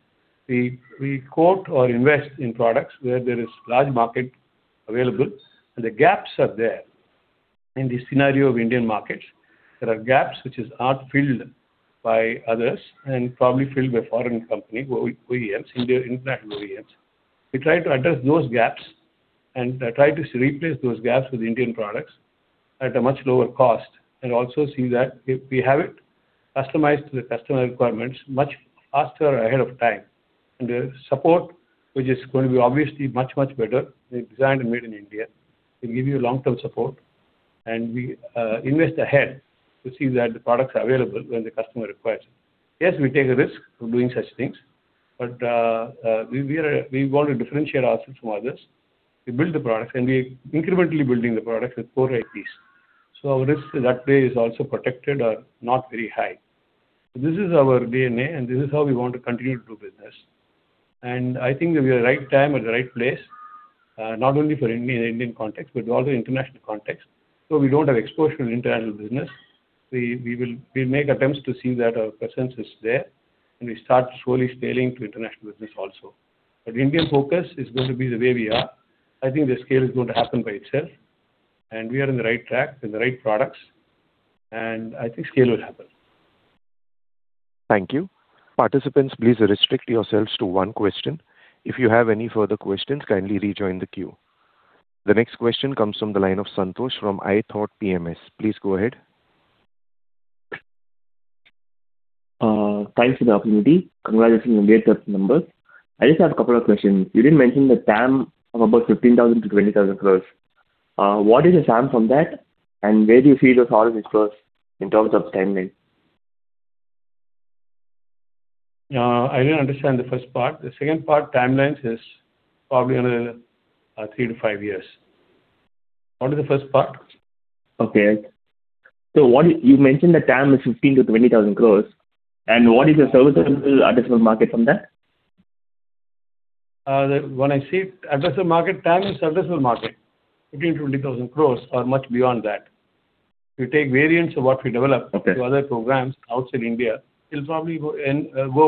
We quote or invest in products where there is large market available. And the gaps are there. In this scenario of Indian markets, there are gaps which are not filled by others and probably filled by foreign companies, international OEMs. We try to address those gaps and try to replace those gaps with Indian products at a much lower cost and also see that if we have it customized to the customer requirements much faster ahead of time and support which is going to be obviously much, much better designed and made in India, we'll give you long-term support. We invest ahead to see that the products are available when the customer requires it. Yes, we take a risk of doing such things. But we want to differentiate ourselves from others. We build the products. We're incrementally building the products with core IPs. So our risk that way is also protected or not very high. This is our DNA. This is how we want to continue to do business. I think that we are at the right time at the right place, not only for Indian context but also international context. We don't have exposure to international business. We'll make attempts to see that our presence is there. We start slowly scaling to international business also. But Indian focus is going to be the way we are. I think the scale is going to happen by itself. We are in the right track with the right products. I think scale will happen. Thank you. Participants, please restrict yourselves to one question. If you have any further questions, kindly rejoin the queue. The next question comes from the line of Santosh from ThoughtPMS. Please go ahead. Thanks for the opportunity. Congratulations on getting up the numbers. I just have a couple of questions. You didn't mention the TAM of about 15,000 crore-20,000 crore. What is the sum from that? And where do you see those orders in terms of timeline? I didn't understand the first part. The second part, timelines, is probably under three to five years. What is the first part? Okay. You mentioned the TAM is 15,000 crores-20,000 crores. What is the serviceable addressable market from that? When I say addressable market, TAM is addressable market. 15,000 crores-20,000 crores or much beyond that. If you take variants of what we develop to other programs outside India, it'll probably go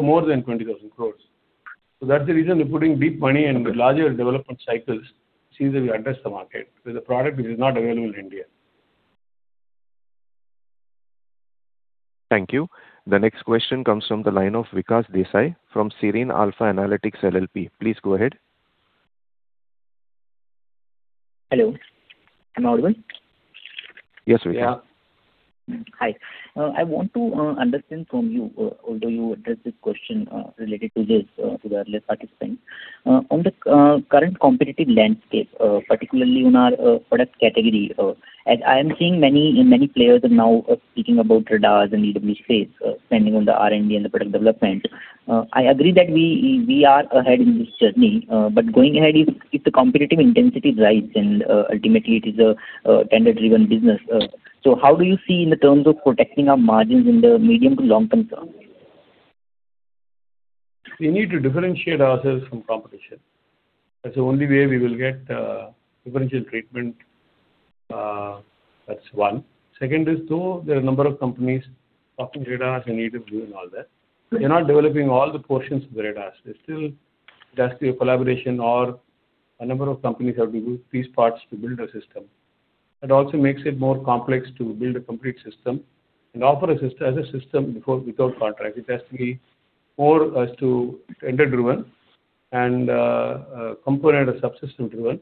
more than 20,000 crores. So that's the reason we're putting deep money and larger development cycles to see that we address the market with a product which is not available in India. Thank you. The next question comes from the line of Vikas Desai from Serene Alpha Analytics LLP. Please go ahead. Hello. I'm audible? Yes, Vikas. Yeah. Hi. I want to understand from you, although you addressed this question related to the other participants, on the current competitive landscape, particularly on our product category. As I am seeing many players now speaking about radars and EW space, spending on the R&D and the product development, I agree that we are ahead in this journey. But going ahead, if the competitive intensity rises and ultimately, it is a tender-driven business, so how do you see in terms of protecting our margins in the medium to long-term term? We need to differentiate ourselves from competition. That's the only way we will get differential treatment. That's one. Second is, though, there are a number of companies talking radars and EW and all that, they're not developing all the portions of the radars. It has to be a collaboration or a number of companies have to do these parts to build a system. That also makes it more complex to build a complete system and offer a system as a system without contracts. It has to be more tender-driven and component or subsystem-driven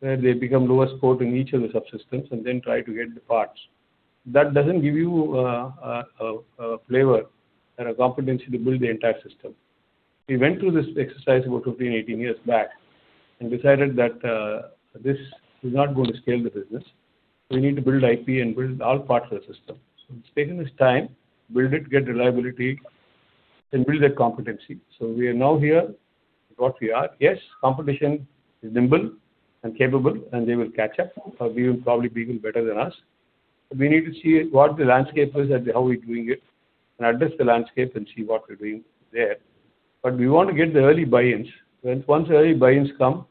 where they become lower score in each of the subsystems and then try to get the parts. That doesn't give you a flavor or a competency to build the entire system. We went through this exercise about 15-18 years back and decided that this is not going to scale the business. We need to build IP and build all parts of the system. So it's taking us time, build it, get reliability, and build that competency. So we are now here at what we are. Yes, competition is nimble and capable, and they will catch up or probably be even better than us. But we need to see what the landscape is and how we're doing it and address the landscape and see what we're doing there. But we want to get the early buy-ins. Once early buy-ins come,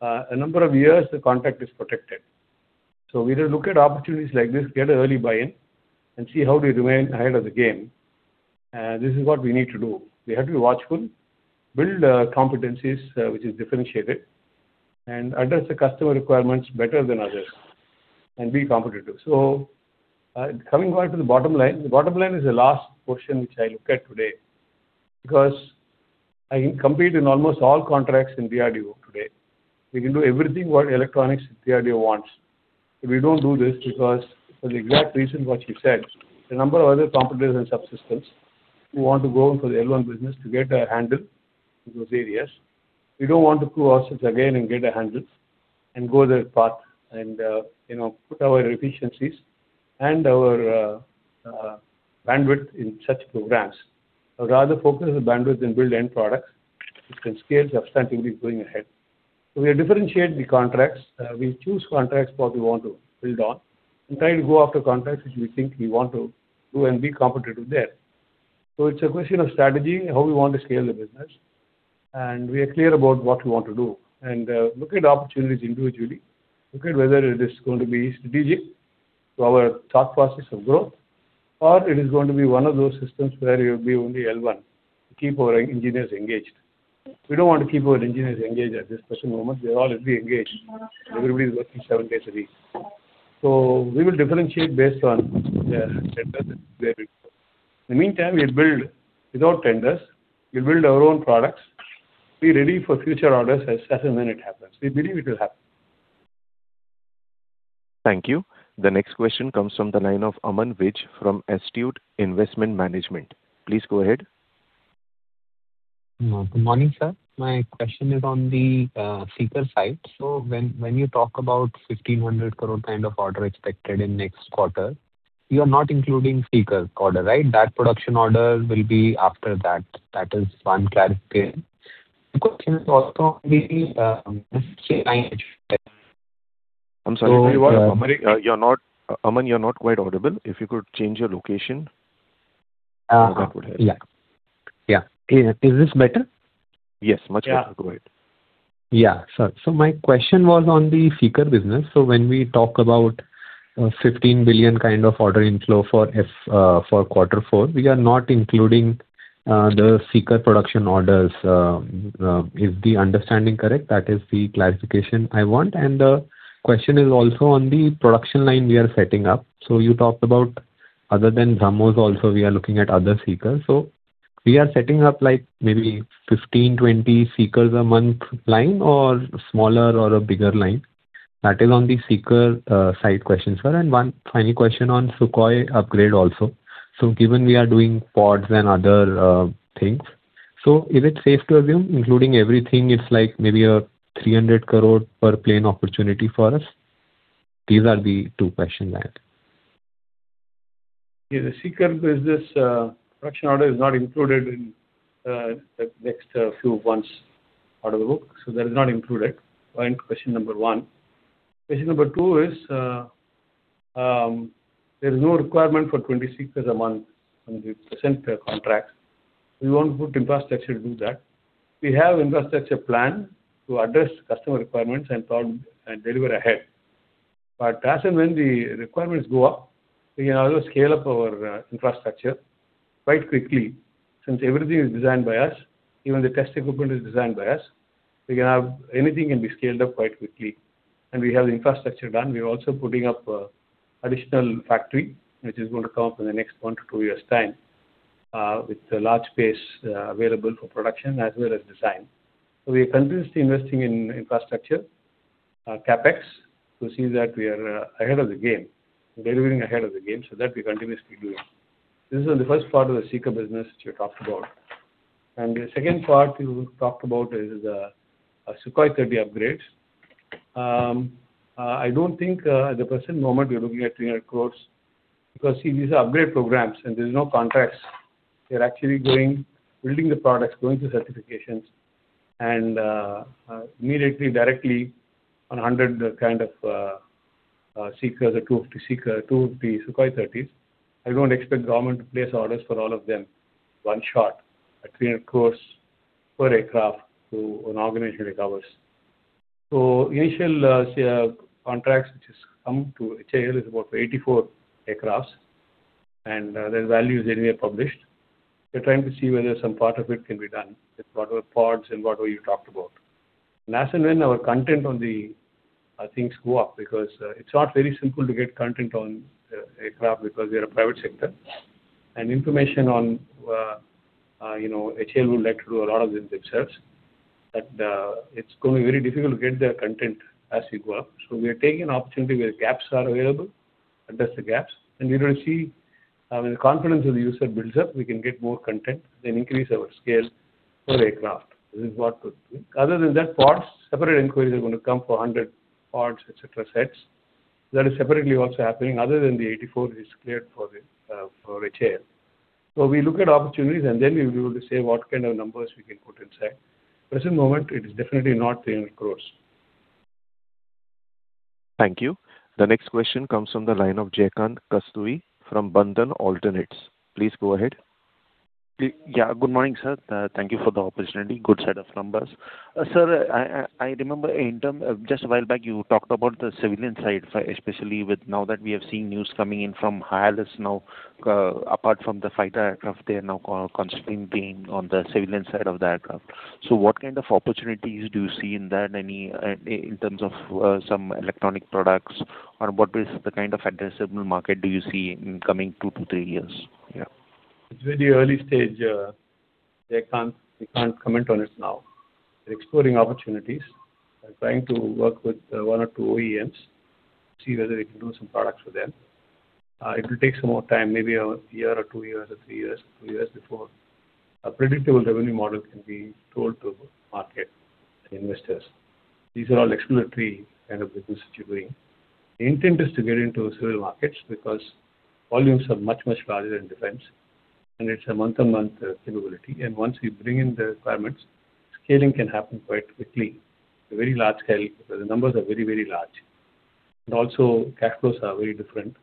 a number of years, the contract is protected. So we look at opportunities like this, get an early buy-in, and see how do we remain ahead of the game. This is what we need to do. We have to be watchful, build competencies which are differentiated, and address the customer requirements better than others and be competitive. Coming back to the bottom line, the bottom line is the last portion which I look at today because I can compete in almost all contracts in DRDO today. We can do everything what electronics DRDO wants. But we don't do this because for the exact reason what you said, there are a number of other competitors and subsystems who want to go for the L1 business to get a handle in those areas. We don't want to prove ourselves again and get a handle and go that path and put our efficiencies and our bandwidth in such programs. I would rather focus on the bandwidth and build end products which can scale substantively going ahead. We differentiate the contracts. We choose contracts what we want to build on and try to go after contracts which we think we want to do and be competitive there. It's a question of strategy, how we want to scale the business. We are clear about what we want to do. Look at opportunities individually. Look at whether it is going to be strategic to our thought process of growth or it is going to be one of those systems where it will be only L1 to keep our engineers engaged. We don't want to keep our engineers engaged at this present moment. They're already engaged. Everybody's working seven days a week. We will differentiate based on the tenders that we're in for. In the meantime, we'll build without tenders. We'll build our own products. Be ready for future orders as soon as it happens. We believe it will happen. Thank you. The next question comes from the line of Aman Vij from Astute Investment Management. Please go ahead. Good morning, sir. My question is on the seeker side. So when you talk about 1,500 crore kind of order expected in next quarter, you are not including seeker's order, right? That production order will be after that. That is one clarification. The question is also maybe I'm sorry. I'm sorry. You're not quite audible. If you could change your location, that would help. Yeah. Yeah. Is this better? Yes, much better. Go ahead. Yeah, sir. So my question was on the seeker business. So when we talk about 15 billion kind of order inflow for quarter four, we are not including the seeker production orders. Is the understanding correct? That is the clarification I want. And the question is also on the production line we are setting up. So you talked about other than BrahMos, also, we are looking at other seekers. So we are setting up maybe 15-20 seekers a month line or smaller or a bigger line. That is on the seeker side questions, sir. And one final question on Sukhoi upgrade also. So given we are doing pods and other things, so is it safe to assume including everything, it's maybe an 300 crore per plane opportunity for us? These are the two questions I had. Yeah. The seeker business production order is not included in the next few months out of the book. So that is not included. Point, question number one. Question number two is there is no requirement for 20 seekers a month on the present contracts. We won't put infrastructure to do that. We have an infrastructure plan to address customer requirements and deliver ahead. But as and when the requirements go up, we can also scale up our infrastructure quite quickly since everything is designed by us. Even the test equipment is designed by us. Anything can be scaled up quite quickly. And we have the infrastructure done. We're also putting up an additional factory which is going to come up in the next one to two years' time with a large space available for production as well as design. So we are continuously investing in infrastructure, CapEx, to see that we are ahead of the game, delivering ahead of the game. So that we're continuously doing. This is on the first part of the seeker business which you talked about. And the second part you talked about is the Sukhoi 30 upgrades. I don't think at the present moment, we're looking at 300 crore because, see, these are upgrade programs. And there are no contracts. They're actually building the products, going through certifications, and immediately, directly on 100 kind of seekers or 250 Sukhoi 30s. I don't expect the government to place orders for all of them one shot at 300 crore per aircraft to an organization that covers. So initial contracts which have come to HAL is about 84 aircraft. And their value is anywhere published. We're trying to see whether some part of it can be done with whatever pods and whatever you talked about. As and when our content on the things go up because it's not very simple to get content on aircraft because we are a private sector. Information on HAL would like to do a lot of them themselves. But it's going to be very difficult to get their content as we go up. We are taking an opportunity where gaps are available, address the gaps. We're going to see when the confidence of the user builds up, we can get more content and increase our scale for aircraft. This is what we're doing. Other than that, separate inquiries are going to come for 100 pods, etc., sets. That is separately also happening. Other than the 84, it's cleared for HAL. We look at opportunities. And then we will say what kind of numbers we can put inside. At the present moment, it is definitely not 300 crore. Thank you. The next question comes from the line of Jaykant Kasturi from Bandhan Alternates. Please go ahead. Yeah. Good morning, sir. Thank you for the opportunity. Good set of numbers. Sir, I remember just a while back, you talked about the civilian side, especially now that we are seeing news coming in from HAL is now apart from the fighter aircraft, they are now constantly being on the civilian side of the aircraft. So what kind of opportunities do you see in that in terms of some electronic products? Or what is the kind of addressable market do you see in coming 2-3 years? Yeah. It's very early stage. They can't comment on it now. They're exploring opportunities. They're trying to work with 1 or 2 OEMs to see whether they can do some products for them. It will take some more time, maybe a year or 2 years or 3 years, 2 years before a predictable revenue model can be told to market and investors. These are all exploratory kind of businesses you're doing. The intent is to get into civil markets because volumes are much, much larger in defense. And it's a month-on-month capability. And once we bring in the requirements, scaling can happen quite quickly at a very large scale because the numbers are very, very large. And also, cash flows are very different.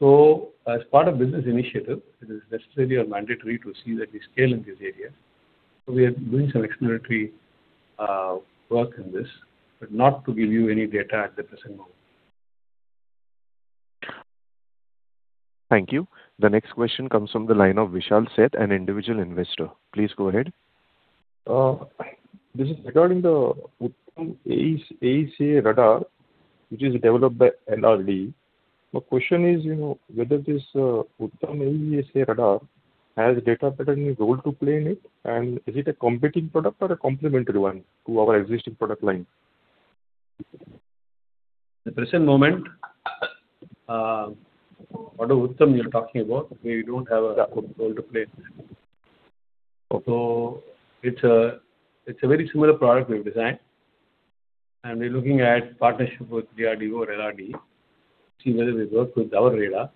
So as part of business initiative, it is necessary or mandatory to see that we scale in these areas. We are doing some exploratory work in this but not to give you any data at the present moment. Thank you. The next question comes from the line of Vishal Sheth, an individual investor. Please go ahead. This is regarding the Uttam AESA radar which is developed by LRDE. My question is whether this Uttam AESA radar has Data Patterns role to play in it? And is it a competing product or a complementary one to our existing product line? At the present moment, for the Uttam you're talking about, we don't have a role to play in that. So it's a very similar product we've designed. And we're looking at partnership with DRDO or LRDE to see whether we work with our radar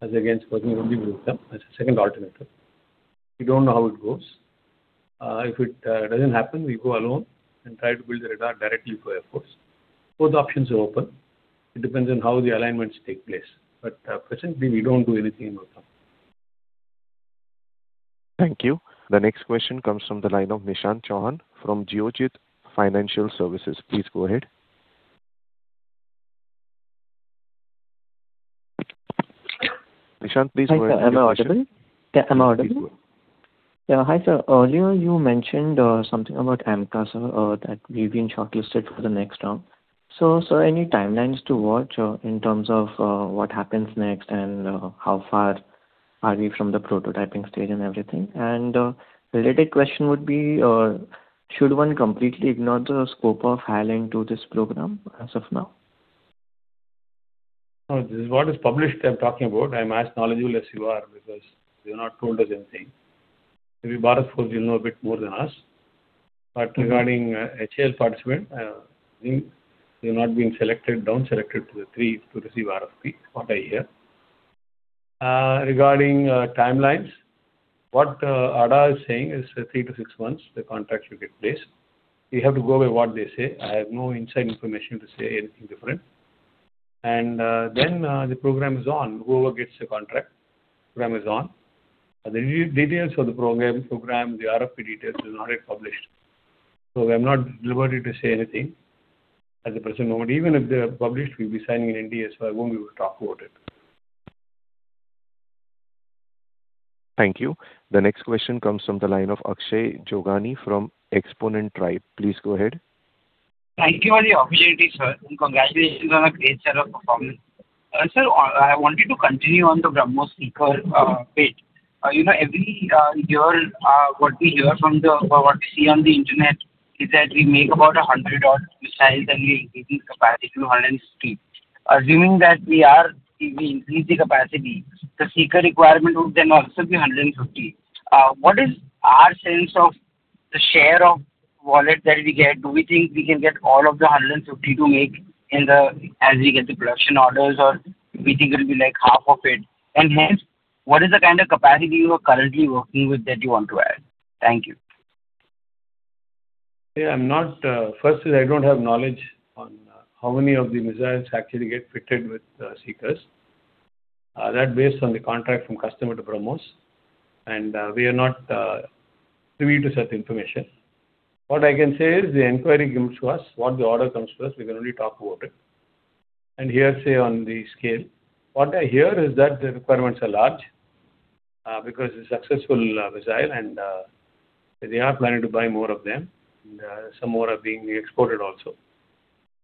as against working with the Uttam as a second alternative. We don't know how it goes. If it doesn't happen, we go alone and try to build the radar directly for air force. Both options are open. It depends on how the alignments take place. But presently, we don't do anything in Uttam. Thank you. The next question comes from the line of Nishant Chauhan from Geojit Financial Services. Please go ahead. Nishant, please go ahead. Hi, sir. Am I audible? Yeah. Am I audible? Please go ahead. Yeah. Hi, sir. Earlier, you mentioned something about AMCA, sir, that we've been shortlisted for the next round. So are there any timelines to watch in terms of what happens next and how far are we from the prototyping stage and everything? And a related question would be, should one completely ignore the scope of HAL into this program as of now? So what is published, I'm talking about. I'm as knowledgeable as you are because you're not told the same thing. If you follow us, you'll know a bit more than us. But regarding HAL participation, it's not being selected, downselected to the 3 to receive RFP, what I hear. Regarding timelines, what ADA is saying is 3-6 months, the contract should get placed. You have to go by what they say. I have no inside information to say anything different. Then the program is on. Whoever gets the contract, the program is on. The details of the program, the RFP details, are not yet published. So I'm not at liberty to say anything at the present moment. Even if they're published, we'll be signing an NDA. So I won't be able to talk about it. Thank you. The next question comes from the line of Akshay Jogani from Xponent Tribe. Please go ahead. Thank you for the opportunity, sir. Congratulations on a great set of performance. Sir, I wanted to continue on the BrahMos seeker bit. Every year, what we hear, what we see on the internet is that we make about 100-odd missiles, and we increase the capacity to 150. Assuming that we increase the capacity, the seeker requirement would then also be 150. What is our sense of the share of wallet that we get? Do we think we can get all of the 150 to make as we get the production orders? Or do we think it'll be half of it? Hence, what is the kind of capacity you are currently working with that you want to add? Thank you. Yeah. First is I don't have knowledge on how many of the missiles actually get fitted with seekers. That's based on the contract from customer to BrahMos. And we are not privy to such information. What I can say is the inquiry comes to us. What the order comes to us, we can only talk about it. And here, say, on the scale, what I hear is that the requirements are large because it's a successful missile. And they are planning to buy more of them. And some more are being exported also.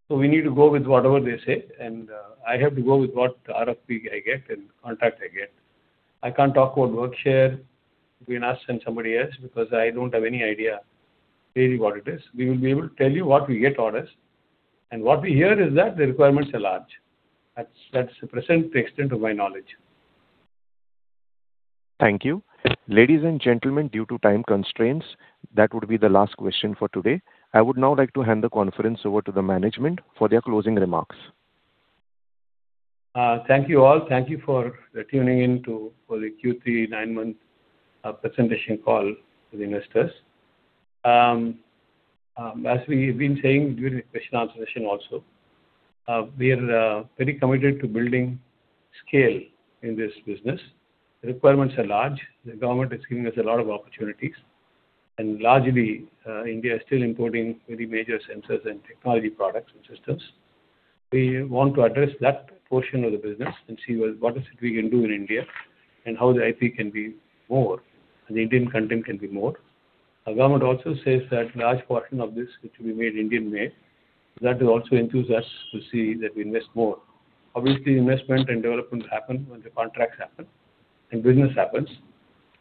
So we need to go with whatever they say. And I have to go with what RFP I get and contract I get. I can't talk about work share between us and somebody else because I don't have any idea really what it is. We will be able to tell you what we get orders. What we hear is that the requirements are large. That's the present extent of my knowledge. Thank you. Ladies and gentlemen, due to time constraints, that would be the last question for today. I would now like to hand the conference over to the management for their closing remarks. Thank you all. Thank you for tuning in to the Q3 nine-month presentation call with investors. As we've been saying during the question-and-answer session also, we are very committed to building scale in this business. The requirements are large. The government is giving us a lot of opportunities. Largely, India is still importing very major sensors and technology products and systems. We want to address that portion of the business and see what is it we can do in India and how the IP can be more and the Indian content can be more. The government also says that a large portion of this should be made Indian-made. That also enthuses us to see that we invest more. Obviously, investment and development will happen when the contracts happen and business happens.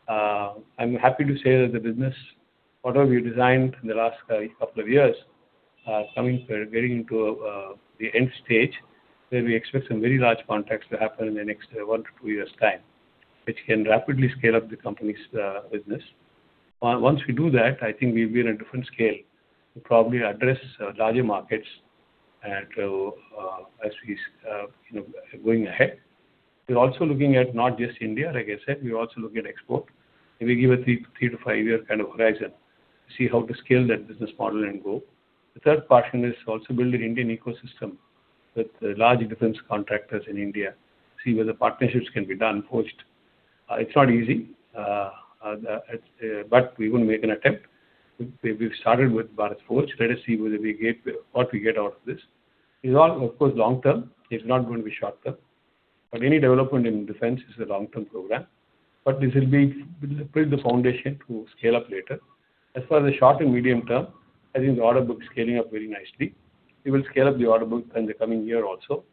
I'm happy to say that the business, whatever we designed in the last couple of years, is getting into the end stage where we expect some very large contracts to happen in the next one to two years' time which can rapidly scale up the company's business. Once we do that, I think we'll be in a different scale to probably address larger markets as we are going ahead. We're also looking at not just India, like I said. We're also looking at export. Maybe give a three-year to five-year kind of horizon to see how to scale that business model and go. The third portion is also building an Indian ecosystem with large defense contractors in India, see whether partnerships can be done, forged. It's not easy. But we're going to make an attempt. We've started with Bharat Forge. Let us see what we get out of this. It's all, of course, long term. It's not going to be short term. But any development in defense is a long-term program. But this will build the foundation to scale up later. As far as the short and medium term, I think the order book is scaling up very nicely. We will scale up the order book in the coming year also,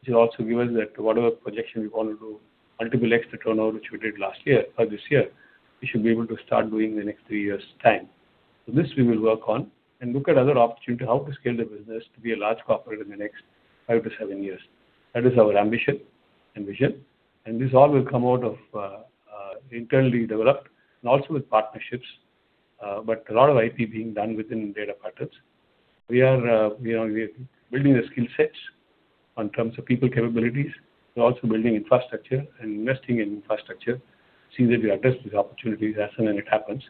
which will also give us that whatever projection we want to do, multiple X the turnover which we did last year or this year, we should be able to start doing in the next three years' time. So this we will work on and look at other opportunities, how to scale the business to be a large corporate in the next five to seven years. That is our ambition and vision. And this all will come out of internally developed and also with partnerships, but a lot of IP being done within Data Patterns. We are building the skill sets in terms of people capabilities. We're also building infrastructure and investing in infrastructure, seeing that we address these opportunities as and when it happens.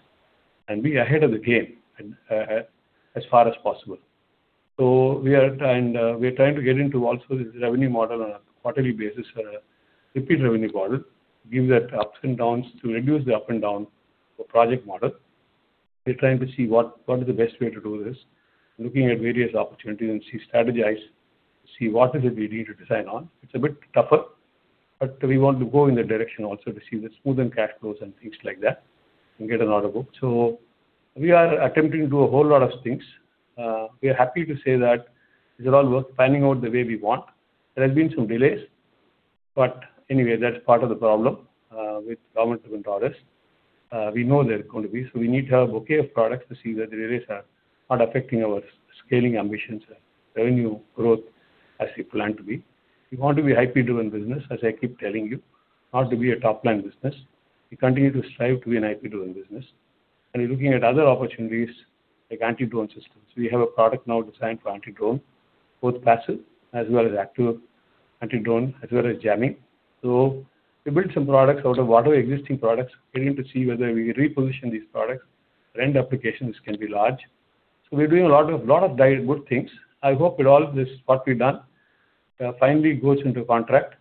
And be ahead of the game as far as possible. So we are trying to get into also this revenue model on a quarterly basis, a repeat revenue model, give that ups and downs to reduce the up and down for project model. We're trying to see what is the best way to do this, looking at various opportunities and see strategize, see what is it we need to design on. It's a bit tougher. But we want to go in the direction also to see the smoothing cash flows and things like that and get an order book. So we are attempting to do a whole lot of things. We are happy to say that these are all work, finding out the way we want. There have been some delays. But anyway, that's part of the problem with government-driven orders. We know they're going to be. So we need to have a bouquet of products to see that the delays are not affecting our scaling ambitions and revenue growth as we plan to be. We want to be an IP-driven business, as I keep telling you, not to be a top-line business. We continue to strive to be an IP-driven business. And we're looking at other opportunities like anti-drone systems. We have a product now designed for anti-drone, both passive as well as active anti-drone as well as jamming. So we built some products out of whatever existing products, getting to see whether we reposition these products. End applications can be large. So we're doing a lot of good things. I hope that all this, what we've done, finally goes into contract.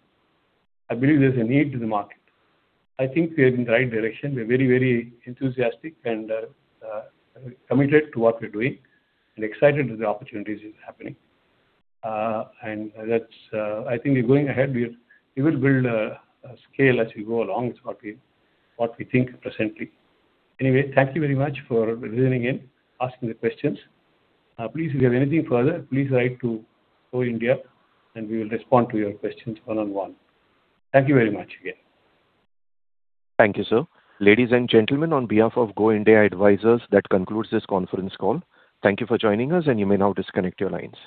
I believe there's a need in the market. I think we are in the right direction. We're very, very enthusiastic and committed to what we're doing and excited that the opportunities are happening. And I think we're going ahead. We will build scale as we go along. It's what we think presently. Anyway, thank you very much for listening in, asking the questions. Please, if you have anything further, please write to Go India. And we will respond to your questions one-on-one. Thank you very much again. Thank you, sir. Ladies and gentlemen, on behalf of Go India Advisors, that concludes this conference call. Thank you for joining us. You may now disconnect your lines.